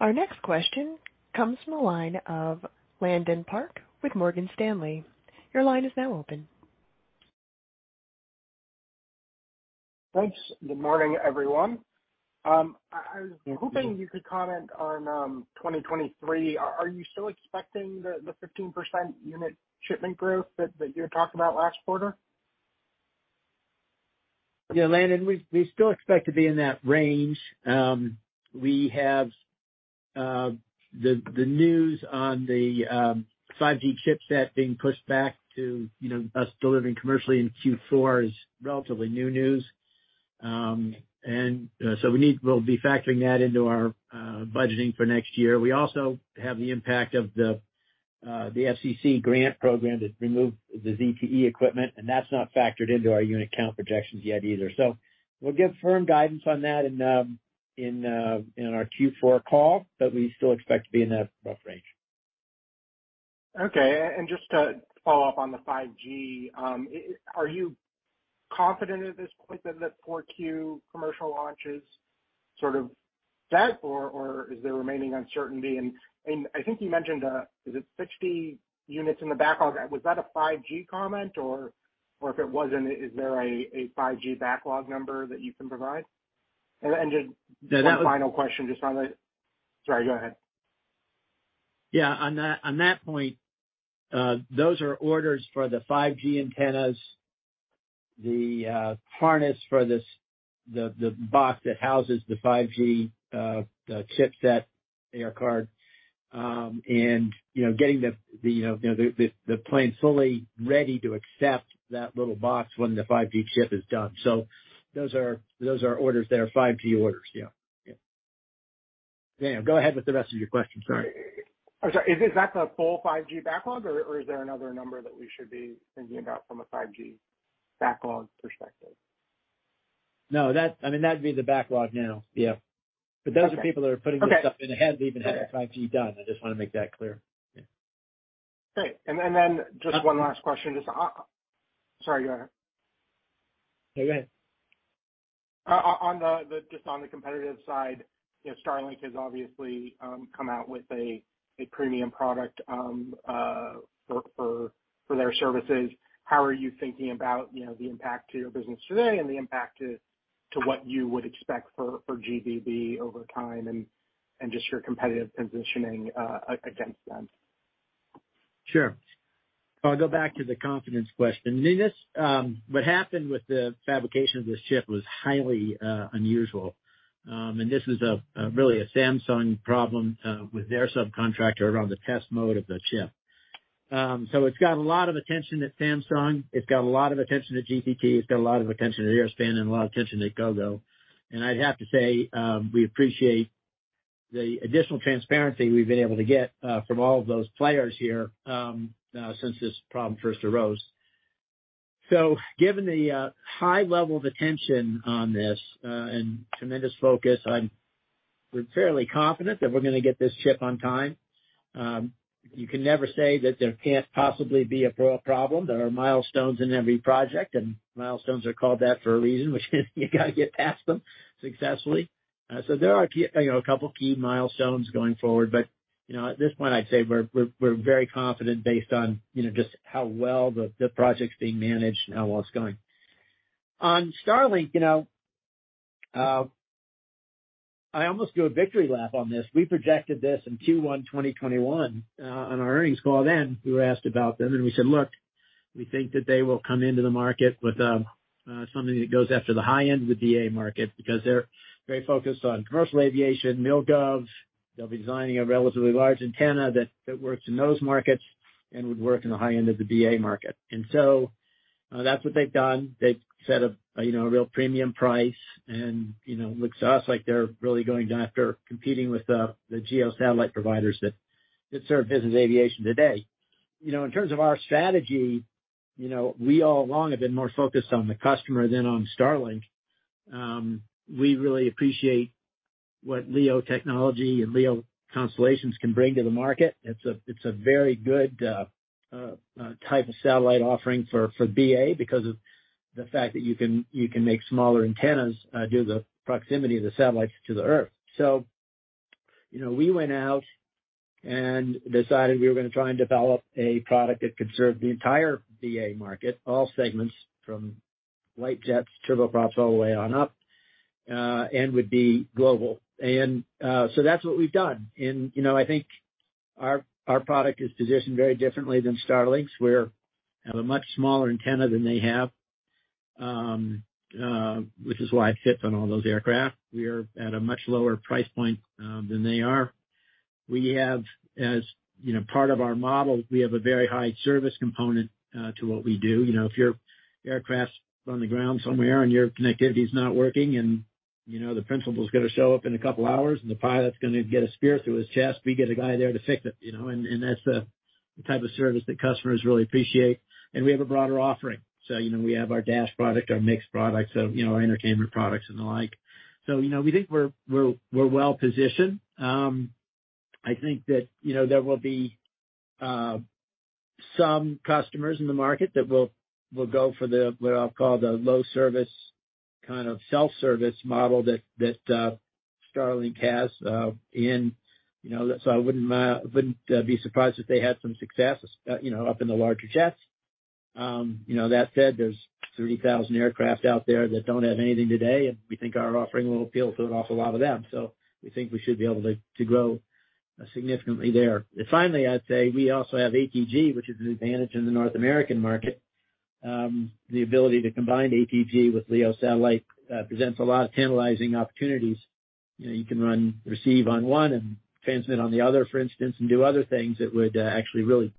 Our next question comes from the line of Landon Park with Morgan Stanley. Your line is now open. Thanks. Good morning, everyone. I was hoping. Mm-hmm. You could comment on 2023. Are you still expecting the 15% unit shipment growth that you had talked about last quarter? Yeah, Landon, we still expect to be in that range. We have the news on the 5G chipset being pushed back to, you know, us delivering commercially in Q4 is relatively new news. We'll be factoring that into our budgeting for next year. We also have the impact of the FCC grant program that removed the ZTE equipment, and that's not factored into our unit count projections yet either. We'll give firm guidance on that in our Q4 call, but we still expect to be in that rough range. Okay. Just to follow up on the 5G, are you confident at this point that the 4Q commercial launch is sort of dead, or is there remaining uncertainty? I think you mentioned, is it 60 units in the backlog? Was that a 5G comment or if it wasn't, is there a 5G backlog number that you can provide? Just- That was. Sorry, go ahead. Yeah, on that point, those are orders for the 5G antennas, the harness for this, the box that houses the 5G chipset air card, and you know, getting the plane fully ready to accept that little box when the 5G chip is done. So those are orders that are 5G orders, yeah. Yeah. Yeah, go ahead with the rest of your question. Sorry. I'm sorry, is that the full 5G backlog, or is there another number that we should be thinking about from a 5G backlog perspective? No, I mean, that'd be the backlog now. Yeah. Okay. Those are people that are putting this stuff in ahead. Okay. Of even having 5G done. I just wanna make that clear. Yeah. Great. Just one last question. Sorry, go ahead. No, go ahead. Just on the competitive side, you know, Starlink has obviously come out with a premium product for their services. How are you thinking about, you know, the impact to your business today and the impact to what you would expect for GBB over time and just your competitive positioning against them? Sure. I'll go back to the confidence question. I mean, this, what happened with the fabrication of this chip was highly, unusual. This is a really Samsung problem with their subcontractor around the test mode of the chip. It's got a lot of attention at Samsung. It's got a lot of attention at GCT. It's got a lot of attention at Airspan and a lot of attention at Gogo. I'd have to say, we appreciate the additional transparency we've been able to get from all of those players here since this problem first arose. Given the high level of attention on this and tremendous focus, we're fairly confident that we're gonna get this chip on time. You can never say that there can't possibly be a problem. There are milestones in every project, and milestones are called that for a reason, which is you gotta get past them successfully. There are key, you know, a couple key milestones going forward, but, you know, at this point, I'd say we're very confident based on, you know, just how well the project's being managed and how well it's going. On Starlink, you know, I almost do a victory lap on this. We projected this in Q1 2021, on our earnings call then. We were asked about them, and we said, "Look, we think that they will come into the market with, something that goes after the high end of the BA market because they're very focused on commercial aviation, mil/gov. They'll be designing a relatively large antenna that works in those markets and would work in the high end of the BA market." That's what they've done. They've set a real premium price and looks to us like they're really going after competing with the geo satellite providers that serve business aviation today. You know, in terms of our strategy, you know, we all along have been more focused on the customer than on Starlink. We really appreciate what LEO technology and LEO constellations can bring to the market. It's a very good type of satellite offering for BA because of the fact that you can make smaller antennas due to the proximity of the satellites to the Earth. You know, we went out and decided we were gonna try and develop a product that could serve the entire BA market, all segments, from light jets, turboprops, all the way on up, and would be global. That's what we've done. You know, I think our product is positioned very differently than Starlink's. We have a much smaller antenna than they have, which is why it fits on all those aircraft. We are at a much lower price point than they are. We have, as you know, part of our model, we have a very high service component to what we do. You know, if your aircraft's on the ground somewhere, and your connectivity is not working, and you know the principal's gonna show up in a couple hours and the pilot's gonna get a spear through his chest, we get a guy there to fix it, you know. That's the type of service that customers really appreciate. We have a broader offering. You know, we have our dash product, our mixed product, so, you know, our entertainment products and the like. You know, we think we're well positioned. I think that, you know, there will be some customers in the market that will go for the, what I'll call the low service, kind of self-service model that Starlink has, in, you know, so I wouldn't be surprised if they had some success, you know, up in the larger jets. You know, that said, there's 30,000 aircrafts out there that don't have anything today, and we think our offering will appeal to an awful lot of them. We think we should be able to grow significantly there. Finally, I'd say we also have ATG, which is an advantage in the North American market. The ability to combine ATG with LEO satellite presents a lot of tantalizing opportunities. You know, you can run receive on one and transmit on the other, for instance, and do other things that would actually really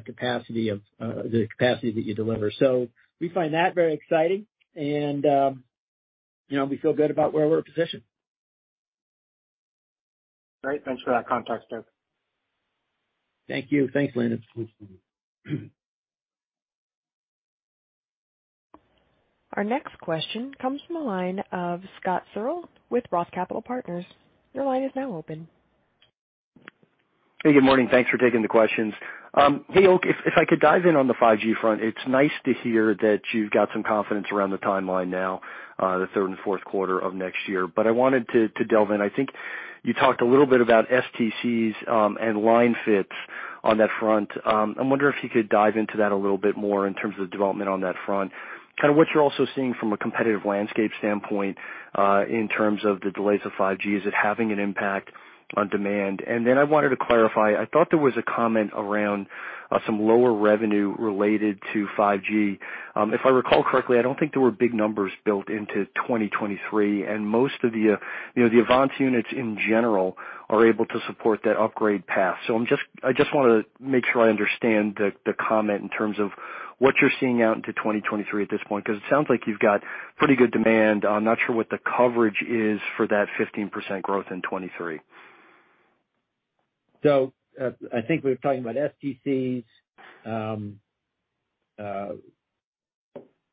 boost capacity that you deliver. We find that very exciting and, you know, we feel good about where we're positioned. Great. Thanks for that context, Oak. Thank you. Thanks, Landon. Absolutely. Our next question comes from the line of Scott Searle with ROTH Capital Partners. Your line is now open. Hey, good morning. Thanks for taking the questions. Hey, Oak, if I could dive in on the 5G front. It's nice to hear that you've got some confidence around the timeline now, the third and fourth quarter of next year. I wanted to delve in. I think you talked a little bit about STCs and line fits on that front. I wonder if you could dive into that a little bit more in terms of the development on that front. Kinda what you're also seeing from a competitive landscape standpoint, in terms of the delays of 5G. Is it having an impact on demand? I wanted to clarify, I thought there was a comment around some lower revenue related to 5G. If I recall correctly, I don't think there were big numbers built into 2023, and most of the, you know, the AVANCE units in general are able to support that upgrade path. I just wanna make sure I understand the comment in terms of what you're seeing out into 2023 at this point, 'cause it sounds like you've got pretty good demand. I'm not sure what the coverage is for that 15% growth in 2023. I think we were talking about STCs.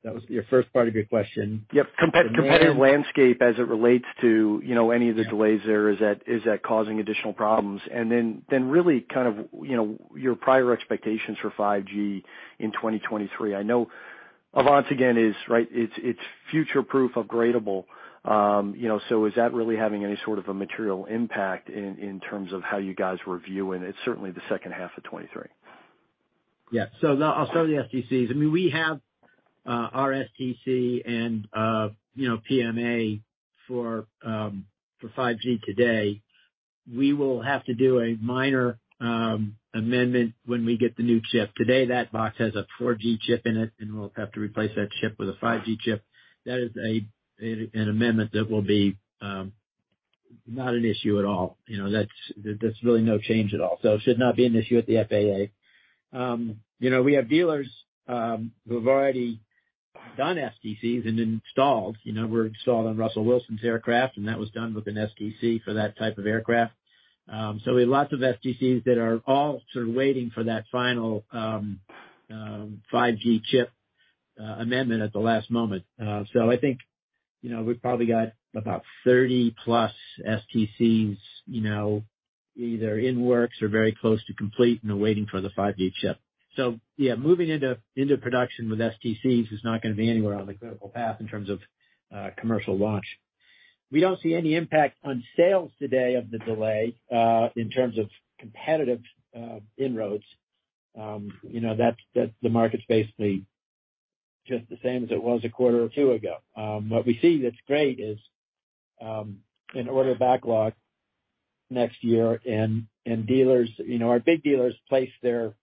That was your first part of your question. Yep. Demand- Competitive landscape as it relates to, you know, any of the delays there. Is that causing additional problems? Then really kind of, you know, your prior expectations for 5G in 2023. I know AVANCE again is right, it's future proof upgradeable. You know, so is that really having any sort of a material impact in terms of how you guys review, and it's certainly the second half of 2023? Yeah. I'll start with the STCs. I mean, we have our STC and you know, PMA for 5G today. We will have to do a minor amendment when we get the new chip. Today, that box has a 4G chip in it, and we'll have to replace that chip with a 5G chip. That is a an amendment that will be not an issue at all. You know, that's really no change at all. It should not be an issue at the FAA. You know, we have dealers who have already done STCs and installed. You know, we're installed on Russell Wilson's aircraft, and that was done with an STC for that type of aircraft. We have lots of STCs that are all sort of waiting for that final 5G chip amendment at the last moment. I think, you know, we've probably got about 30+ STCs, you know, either in works or very close to complete, and they're waiting for the 5G chip. Yeah, moving into production with STCs is not gonna be anywhere on the critical path in terms of commercial launch. We don't see any impact on sales today of the delay in terms of competitive inroads. You know, that's the market's basically just the same as it was a quarter or two ago. What we see that's great is an order backlog next year and dealers. You know, our big dealers place their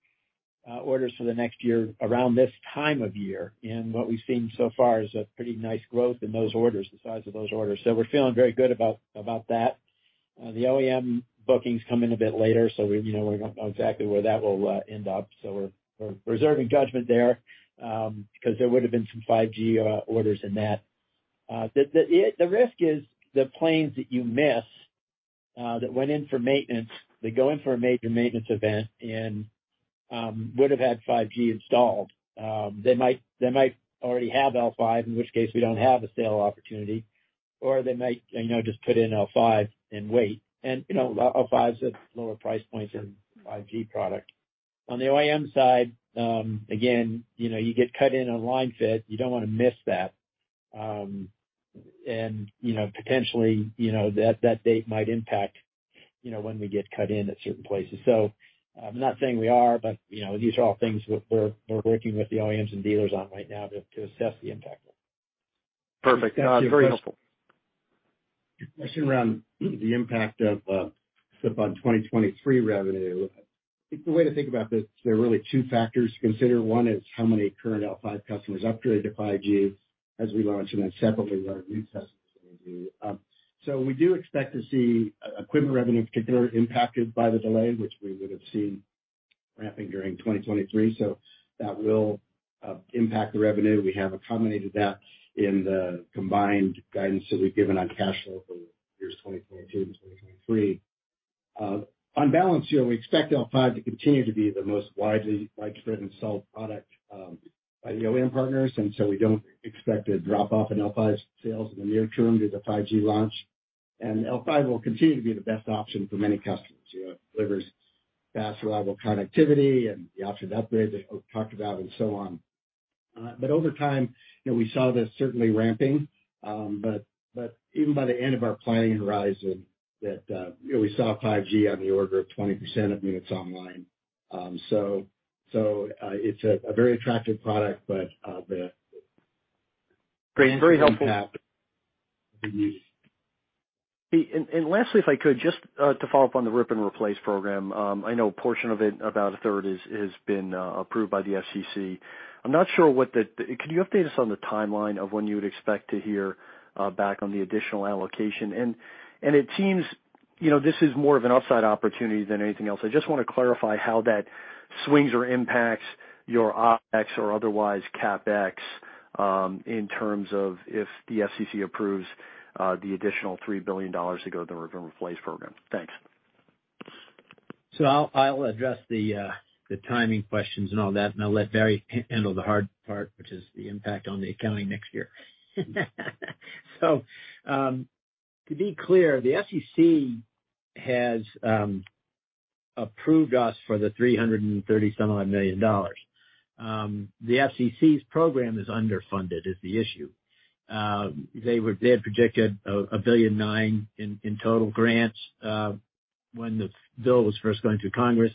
orders for the next year around this time of year, and what we've seen so far is a pretty nice growth in those orders, the size of those orders. We're feeling very good about that. The OEM bookings come in a bit later, so you know, we don't know exactly where that will end up. We're reserving judgment there, because there would've been some 5G orders in that. The risk is the planes that you miss that went in for maintenance, they go in for a major maintenance event and would have had 5G installed. They might already have L5, in which case we don't have a sale opportunity. Or they might just put in L5 and wait. You know, L5 is a lower price point than 5G product. On the OEM side, again, you know, you get cut in on line fit, you don't wanna miss that. You know, potentially, you know, that date might impact, you know, when we get cut in at certain places. I'm not saying we are, but, you know, these are all things we're working with the OEMs and dealers on right now to assess the impact. Perfect. Very helpful. Your question around the impact of slip on 2023 revenue. I think the way to think about this, there are really two factors to consider. One is how many current L5 customers upgrade to 5G as we launch, and then separately are new customers that we do. We do expect to see equipment revenue considerably impacted by the delay, which we would have seen ramping during 2023. That will impact the revenue. We have accommodated that in the combined guidance that we've given on cash flow for years 2022 to 2023. On balance here, we expect L5 to continue to be the most widespread and sold product by the OEM partners, and we don't expect a drop-off in L5 sales in the near term due to 5G launch. L5 will continue to be the best option for many customers. You know, it delivers fast, reliable connectivity and the option to upgrade that Oak talked about and so on. But over time, you know, we saw this certainly ramping. But even by the end of our planning horizon that, you know, we saw 5G on the order of 20% of minutes online. So it's a very attractive product, but Great. Very helpful. Lastly, if I could, just to follow up on the rip and replace program. I know a portion of it, about a third has been approved by the FCC. I'm not sure what the. Can you update us on the timeline of when you would expect to hear back on the additional allocation? It seems, you know, this is more of an upside opportunity than anything else. I just wanna clarify how that swings or impacts your OpEx or otherwise CapEx, in terms of if the FCC approves the additional $3 billion to go to the rip and replace program. Thanks. I'll address the timing questions and all that, and I'll let Barry handle the hard part, which is the impact on the accounting next year. To be clear, the FCC has approved us for the $330 some-odd. The FCC's program is underfunded, is the issue. They had projected a $1.9 billion in total grants, when the bill was first going through Congress.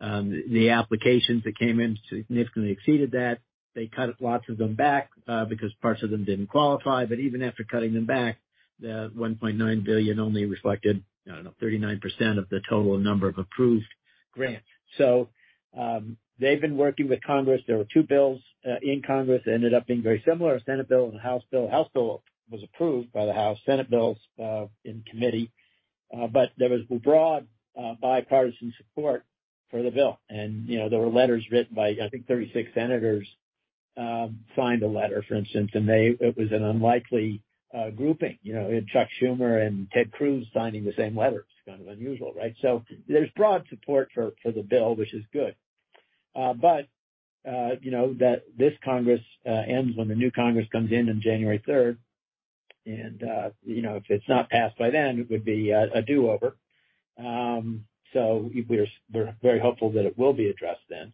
The applications that came in significantly exceeded that. They cut lots of them back, because parts of them didn't qualify. Even after cutting them back, the $1.9 billion only reflected, I don't know, 39% of the total number of approved grants. They've been working with Congress. There were two bills in Congress that ended up being very similar, a Senate bill and a House bill. House bill was approved by the House. Senate bill's in committee, but there was broad bipartisan support for the bill. You know, there were letters written by, I think, 36 senators signed a letter, for instance. It was an unlikely grouping, you know. It had Chuck Schumer and Ted Cruz signing the same letter, which is kind of unusual, right? There's broad support for the bill, which is good. You know that this Congress ends when the new Congress comes in on January 3rd, and you know if it's not passed by then, it would be a do-over. We're very hopeful that it will be addressed then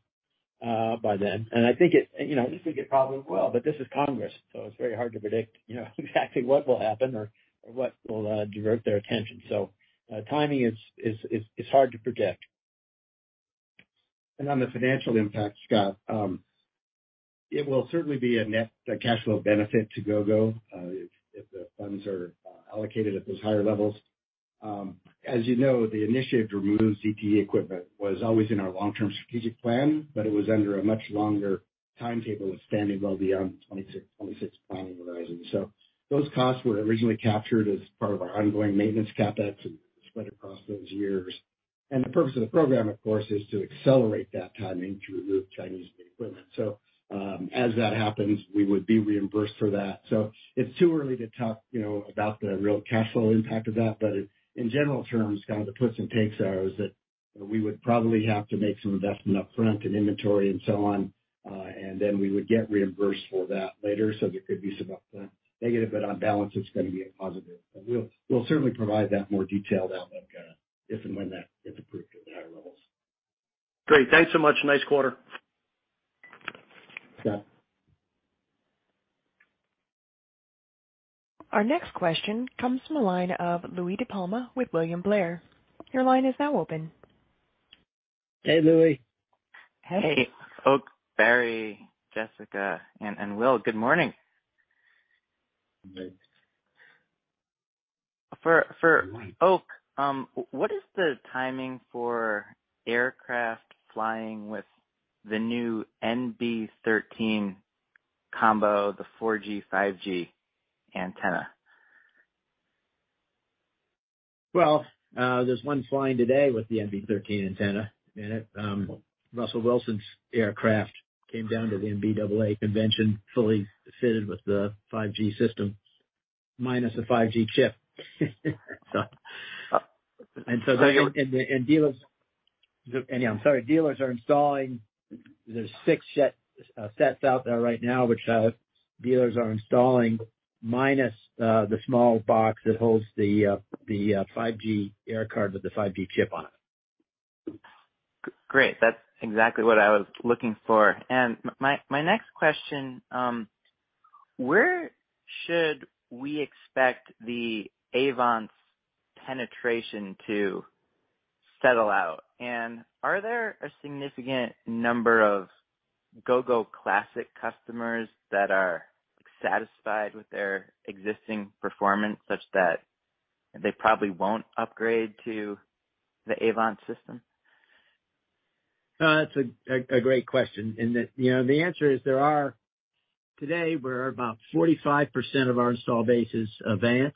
by then. I think it, you know, we think it probably will, but this is Congress, so it's very hard to predict, you know, exactly what will happen or what will divert their attention. Timing is hard to project. On the financial impact, Scott, it will certainly be a net cash flow benefit to Gogo if the funds are allocated at those higher levels. As you know, the initiative to remove ZTE equipment was always in our long-term strategic plan, but it was under a much longer timetable, extending well beyond 26 planning horizon. Those costs were originally captured as part of our ongoing maintenance CapEx and spread across those years. The purpose of the program, of course, is to accelerate that timing to remove Chinese-made equipment. As that happens, we would be reimbursed for that. It's too early to talk, you know, about the real cash flow impact of that. In general terms, kind of the puts and takes are that we would probably have to make some investment up front in inventory and so on, and then we would get reimbursed for that later. There could be some up front negative, but on balance, it's gonna be a positive. We'll certainly provide that more detailed outlook, if and when that gets approved at the higher levels. Great. Thanks so much. Nice quarter. Yeah. Our next question comes from the line of Louie DiPalma with William Blair. Your line is now open. Hey, Louie. Hey. Oak, Barry, Jessica, and Will, good morning. Good. For Oak, what is the timing for aircraft flying with the new MB-13 combo, the 4G 5G antenna? Well, there's one flying today with the MB-13 antenna in it. Russell Wilson's aircraft came down to the NBAA convention, fully fitted with the 5G system, minus the 5G chip. I know. I'm sorry. Dealers are installing. There's six sets out there right now, which dealers are installing minus the small box that holds the 5G air card with the 5G chip on it. Great. That's exactly what I was looking for. My next question, where should we expect the AVANCE penetration to settle out? Are there a significant number of Gogo Classic customers that are satisfied with their existing performance such that they probably won't upgrade to the AVANCE system? No, that's a great question. The answer is there are. Today, we're about 45% of our install base is AVANCE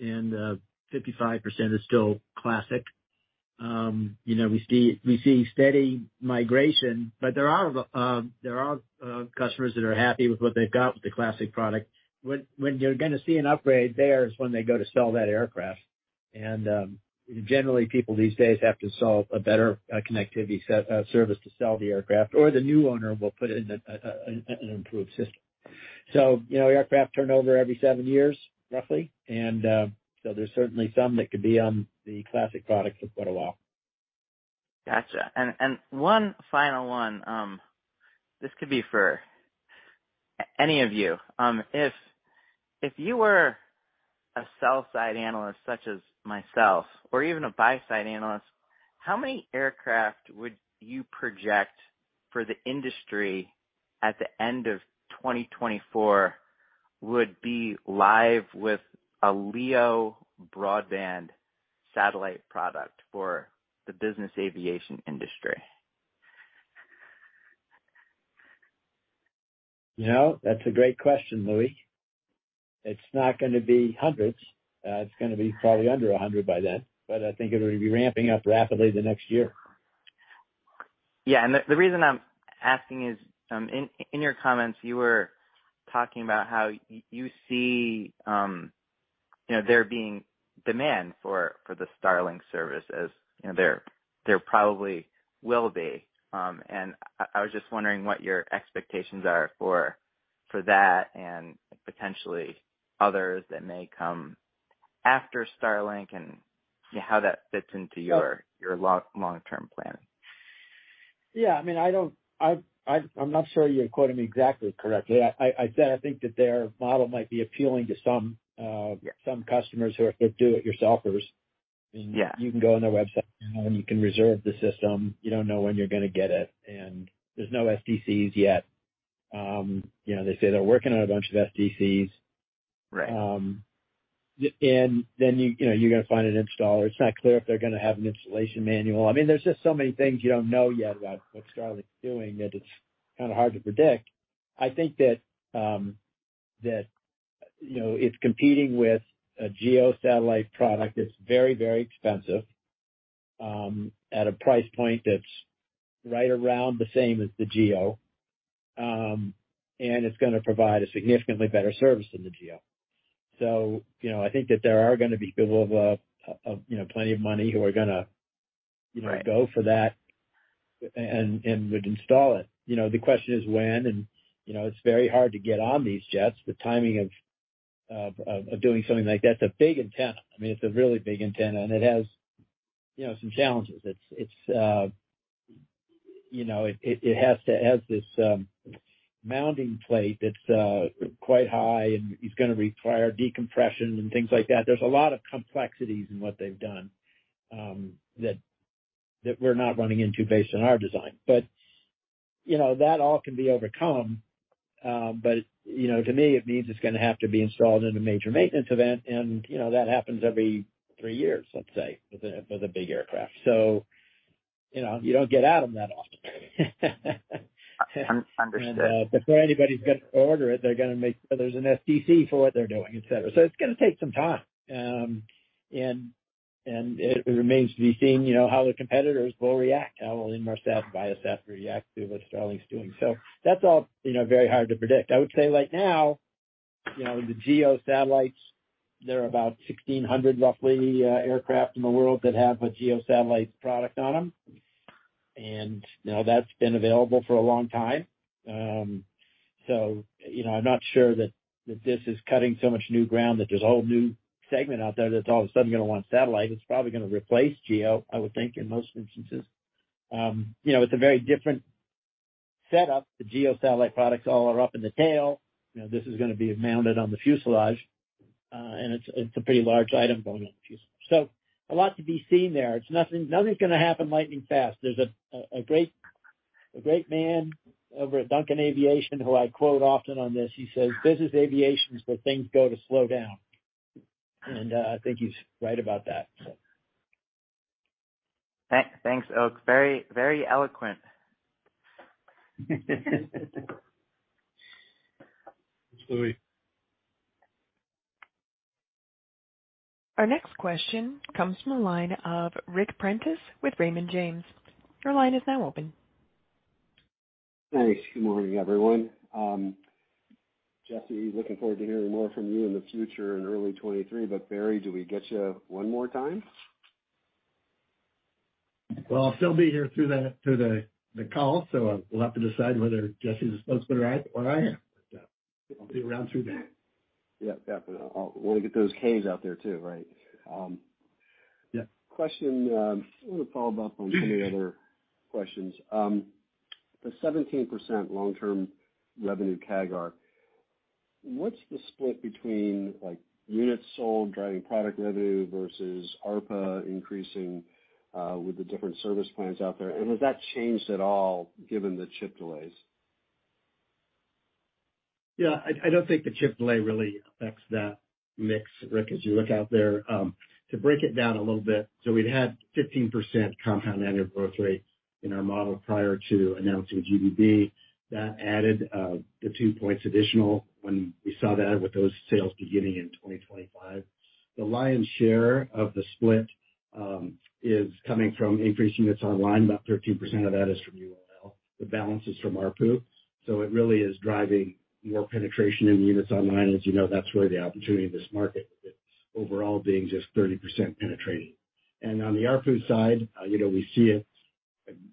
and 55% is still Classic. We see steady migration, but there are customers that are happy with what they've got with the Classic product. When you're gonna see an upgrade there is when they go to sell that aircraft. Generally, people these days have to sell a better connectivity service to sell the aircraft, or the new owner will put it in an improved system. You know, aircraft turnover every seven years, roughly. There's certainly some that could be on the Classic product for quite a while. Gotcha. One final one, this could be for any of you. If you were a sell-side analyst such as myself or even a buy side analyst, how many aircraft would you project for the industry at the end of 2024 would be live with a LEO broadband satellite product for the business aviation industry? You know, that's a great question, Louie. It's not gonna be hundreds. It's gonna be probably under a hundred by then, but I think it'll be ramping up rapidly the next year. Yeah. The reason I'm asking is, in your comments, you were talking about how you see, you know, there being demand for the Starlink service, as you know, there probably will be. I was just wondering what your expectations are for that and potentially others that may come after Starlink and how that fits into your long-term plan. Yeah, I mean, I'm not sure you're quoting me exactly correctly. I said I think that their model might be appealing to some customers who are do-it-yourselfers. Yeah. You can go on their website now, and you can reserve the system. You don't know when you're gonna get it, and there's no STCs yet. You know, they say they're working on a bunch of STCs. Right. You know, you gotta find an installer. It's not clear if they're gonna have an installation manual. I mean, there's just so many things you don't know yet about what Starlink's doing, that it's kinda hard to predict. I think that, you know, it's competing with a GEO satellite product that's very, very expensive at a price point that's right around the same as the GEO. It's gonna provide a significantly better service than the GEO. You know, I think that there are gonna be people of, you know, plenty of money who are gonna, you know. Right. They go for that and would install it. You know, the question is when, and you know, it's very hard to get on these jets. The timing of doing something like that, it's a big antenna. I mean, it's a really big antenna, and it has, you know, some challenges. It has this mounting plate that's quite high and is gonna require decompression and things like that. There's a lot of complexities in what they've done that we're not running into based on our design. You know, that all can be overcome. You know, to me, it means it's gonna have to be installed in a major maintenance event. You know, that happens every three years, let's say, for the big aircraft. You know, you don't get at them that often. Un-understood. Before anybody's gonna order it, they're gonna make sure there's an STC for what they're doing, et cetera. It's gonna take some time. It remains to be seen, you know, how the competitors will react, how Inmarsat, Viasat react to what Starlink's doing. That's all, you know, very hard to predict. I would say right now, you know, the GEO satellites, there are about 1,600, roughly, aircraft in the world that have a GEO satellite product on them. You know, that's been available for a long time. You know, I'm not sure that this is cutting so much new ground that there's a whole new segment out there that's all of a sudden gonna want satellite. It's probably gonna replace GEO, I would think, in most instances. You know, it's a very different setup. The GEO satellite products all are up in the tail. You know, this is gonna be mounted on the fuselage, and it's a pretty large item going on the fuselage. A lot to be seen there. Nothing's gonna happen lightning fast. There's a great man over at Duncan Aviation who I quote often on this. He says, "Business aviation is where things go to slow down." I think he's right about that, so. Thanks, Oak. Very eloquent. Thanks, Louie. Our next question comes from the line of Ric Prentiss with Raymond James. Your line is now open. Thanks. Good morning, everyone. Jessi, looking forward to hearing more from you in the future in early 2023. Barry, do we get you one more time? Well, I'll still be here through the call, so we'll have to decide whether Jessi's the spokesman or I am. But I'll be around through that. Yeah, definitely. I'll wanna get those Ks out there too, right? Yeah. Question, I wanna follow up on many other questions. The 17% long-term revenue CAGR, what's the split between, like, units sold, driving product revenue versus ARPU increasing, with the different service plans out there? Has that changed at all given the chip delays? Yeah, I don't think the chip delay really affects that mix, Ric, as you look out there. To break it down a little bit, we'd had 15% compound annual growth rate in our model prior to announcing GBB. That added the two points additional when we saw that with those sales beginning in 2025. The lion's share of the split is coming from increasing units online. About 13% of that is from UOL. The balance is from ARPU. It really is driving more penetration in units online. As you know, that's really the opportunity of this market, with its overall being just 30% penetrated. On the ARPU side, you know, we see it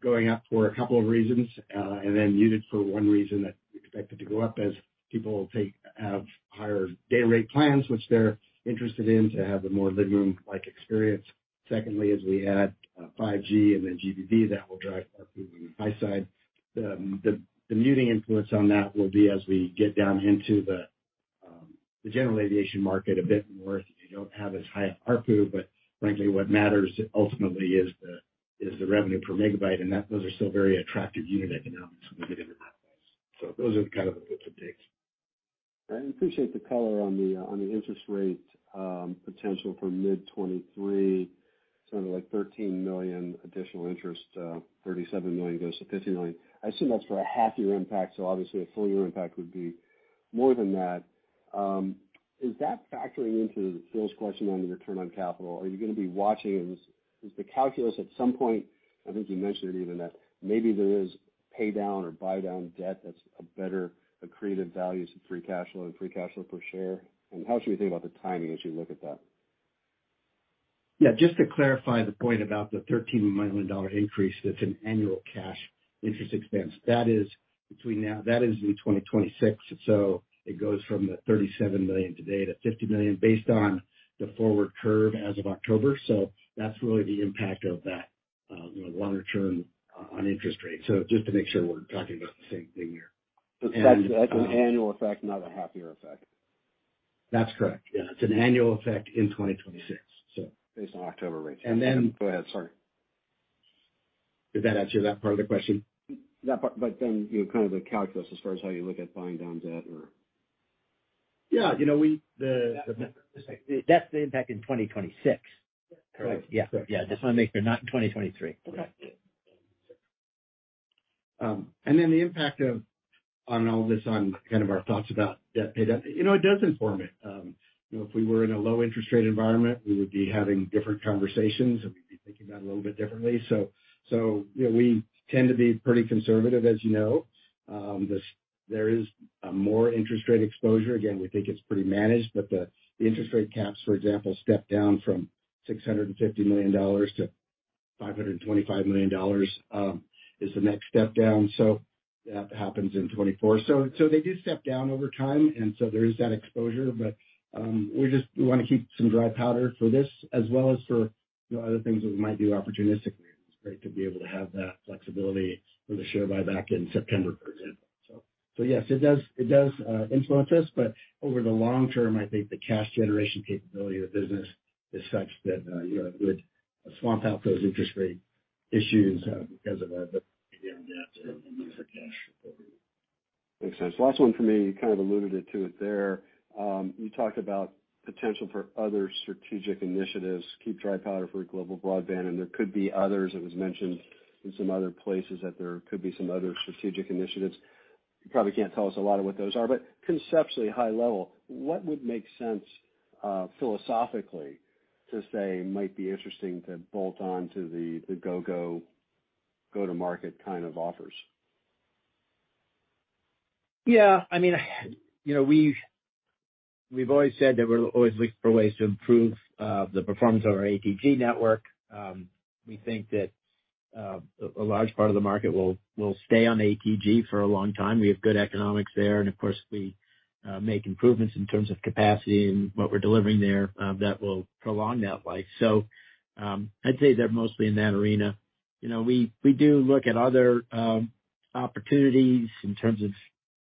going up for a couple of reasons, and then muted for one reason that we expect it to go up as people have higher data rate plans, which they're interested in to have a more living room-like experience. Secondly, as we add 5G and then GBB, that will drive ARPU on the high side. The muting influence on that will be as we get down into the general aviation market a bit more. They don't have as high of ARPU, but frankly, what matters ultimately is the revenue per megabyte, and those are still very attractive unit economics when we get into that place. Those are kind of the bits and pieces. I appreciate the color on the interest rate potential for mid 2023. Sounding like $13 million additional interest, $37 million goes to $50 million. I assume that's for a half year impact, so obviously a full year impact would be more than that. Is that factoring into Phil's question on the return on capital? Are you gonna be watching? Is the calculus at some point, I think you mentioned it even, that maybe there is pay down or buy down debt that's a better accreted value to free cash flow and free cash flow per share. How should we think about the timing as you look at that? Yeah, just to clarify the point about the $13 million increase, that's an annual cash interest expense. That is in 2026. So it goes from the $37 million today to $50 million based on the forward curve as of October. So that's really the impact of that, you know, longer-term on interest rate. So just to make sure we're talking about the same thing here. That's an annual effect, not a half-year effect. That's correct. Yeah. It's an annual effect in 2026, so. Based on October rates. And then- Go ahead, sorry. Did that answer that part of the question? That part, you know, kind of the calculus as far as how you look at buying down debt or. Yeah, you know, we the Just like- That's the impact in 2026. Correct. Yeah. Just wanna make sure. Not in 2023. Okay. The impact on all this on kind of our thoughts about debt paydown. You know, it does inform it. You know, if we were in a low interest rate environment, we would be having different conversations, and we'd be thinking about it a little bit differently. You know, we tend to be pretty conservative, as you know. There is more interest rate exposure. Again, we think it's pretty managed, but the interest rate caps, for example, step down from $650 million-$525 million is the next step down. That happens in 2024. They do step down over time, and so there is that exposure. We wanna keep some dry powder for this as well as for, you know, other things that we might do opportunistically. It's great to be able to have that flexibility for the share buyback in September, for example. So yes, it does influence us, but over the long term, I think the cash generation capability of the business is such that, you know, it would swamp out those interest rate issues because of our debt and look for cash recovery. Makes sense. Last one for me, you kind of alluded to it there. You talked about potential for other strategic initiatives, keep dry powder for global broadband, and there could be others. It was mentioned in some other places that there could be some other strategic initiatives. You probably can't tell us a lot of what those are, but conceptually high level, what would make sense philosophically to say might be interesting to bolt on to the Gogo go-to-market kind of offers? I mean, you know, we've always said that we're always looking for ways to improve the performance of our ATG network. We think that a large part of the market will stay on ATG for a long time. We have good economics there, and of course, we make improvements in terms of capacity and what we're delivering there that will prolong that life. I'd say they're mostly in that arena. You know, we do look at other opportunities in terms of,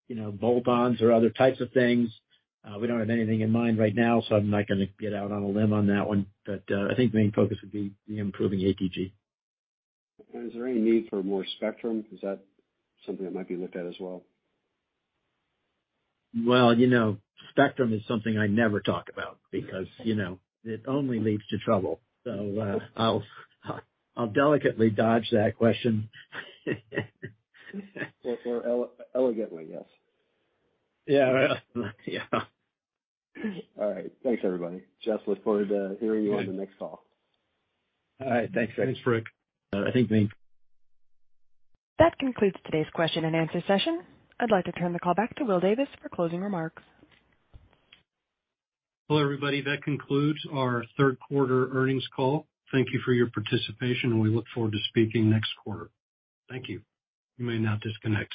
you know, broadbands or other types of things. We don't have anything in mind right now, so I'm not gonna get out on a limb on that one. I think main focus would be improving ATG. Is there any need for more spectrum? Is that something that might be looked at as well? Well, you know, spectrum is something I never talk about because, you know, it only leads to trouble. I'll delicately dodge that question. Elegantly, yes. Yeah. Yeah. All right. Thanks, everybody. Jess, look forward to hearing you on the next call. All right, thanks. Thanks, Ric. I think we. That concludes today's question and answer session. I'd like to turn the call back to Will Davis for closing remarks. Well, everybody, that concludes our third quarter earnings call. Thank you for your participation, and we look forward to speaking next quarter. Thank you. You may now disconnect.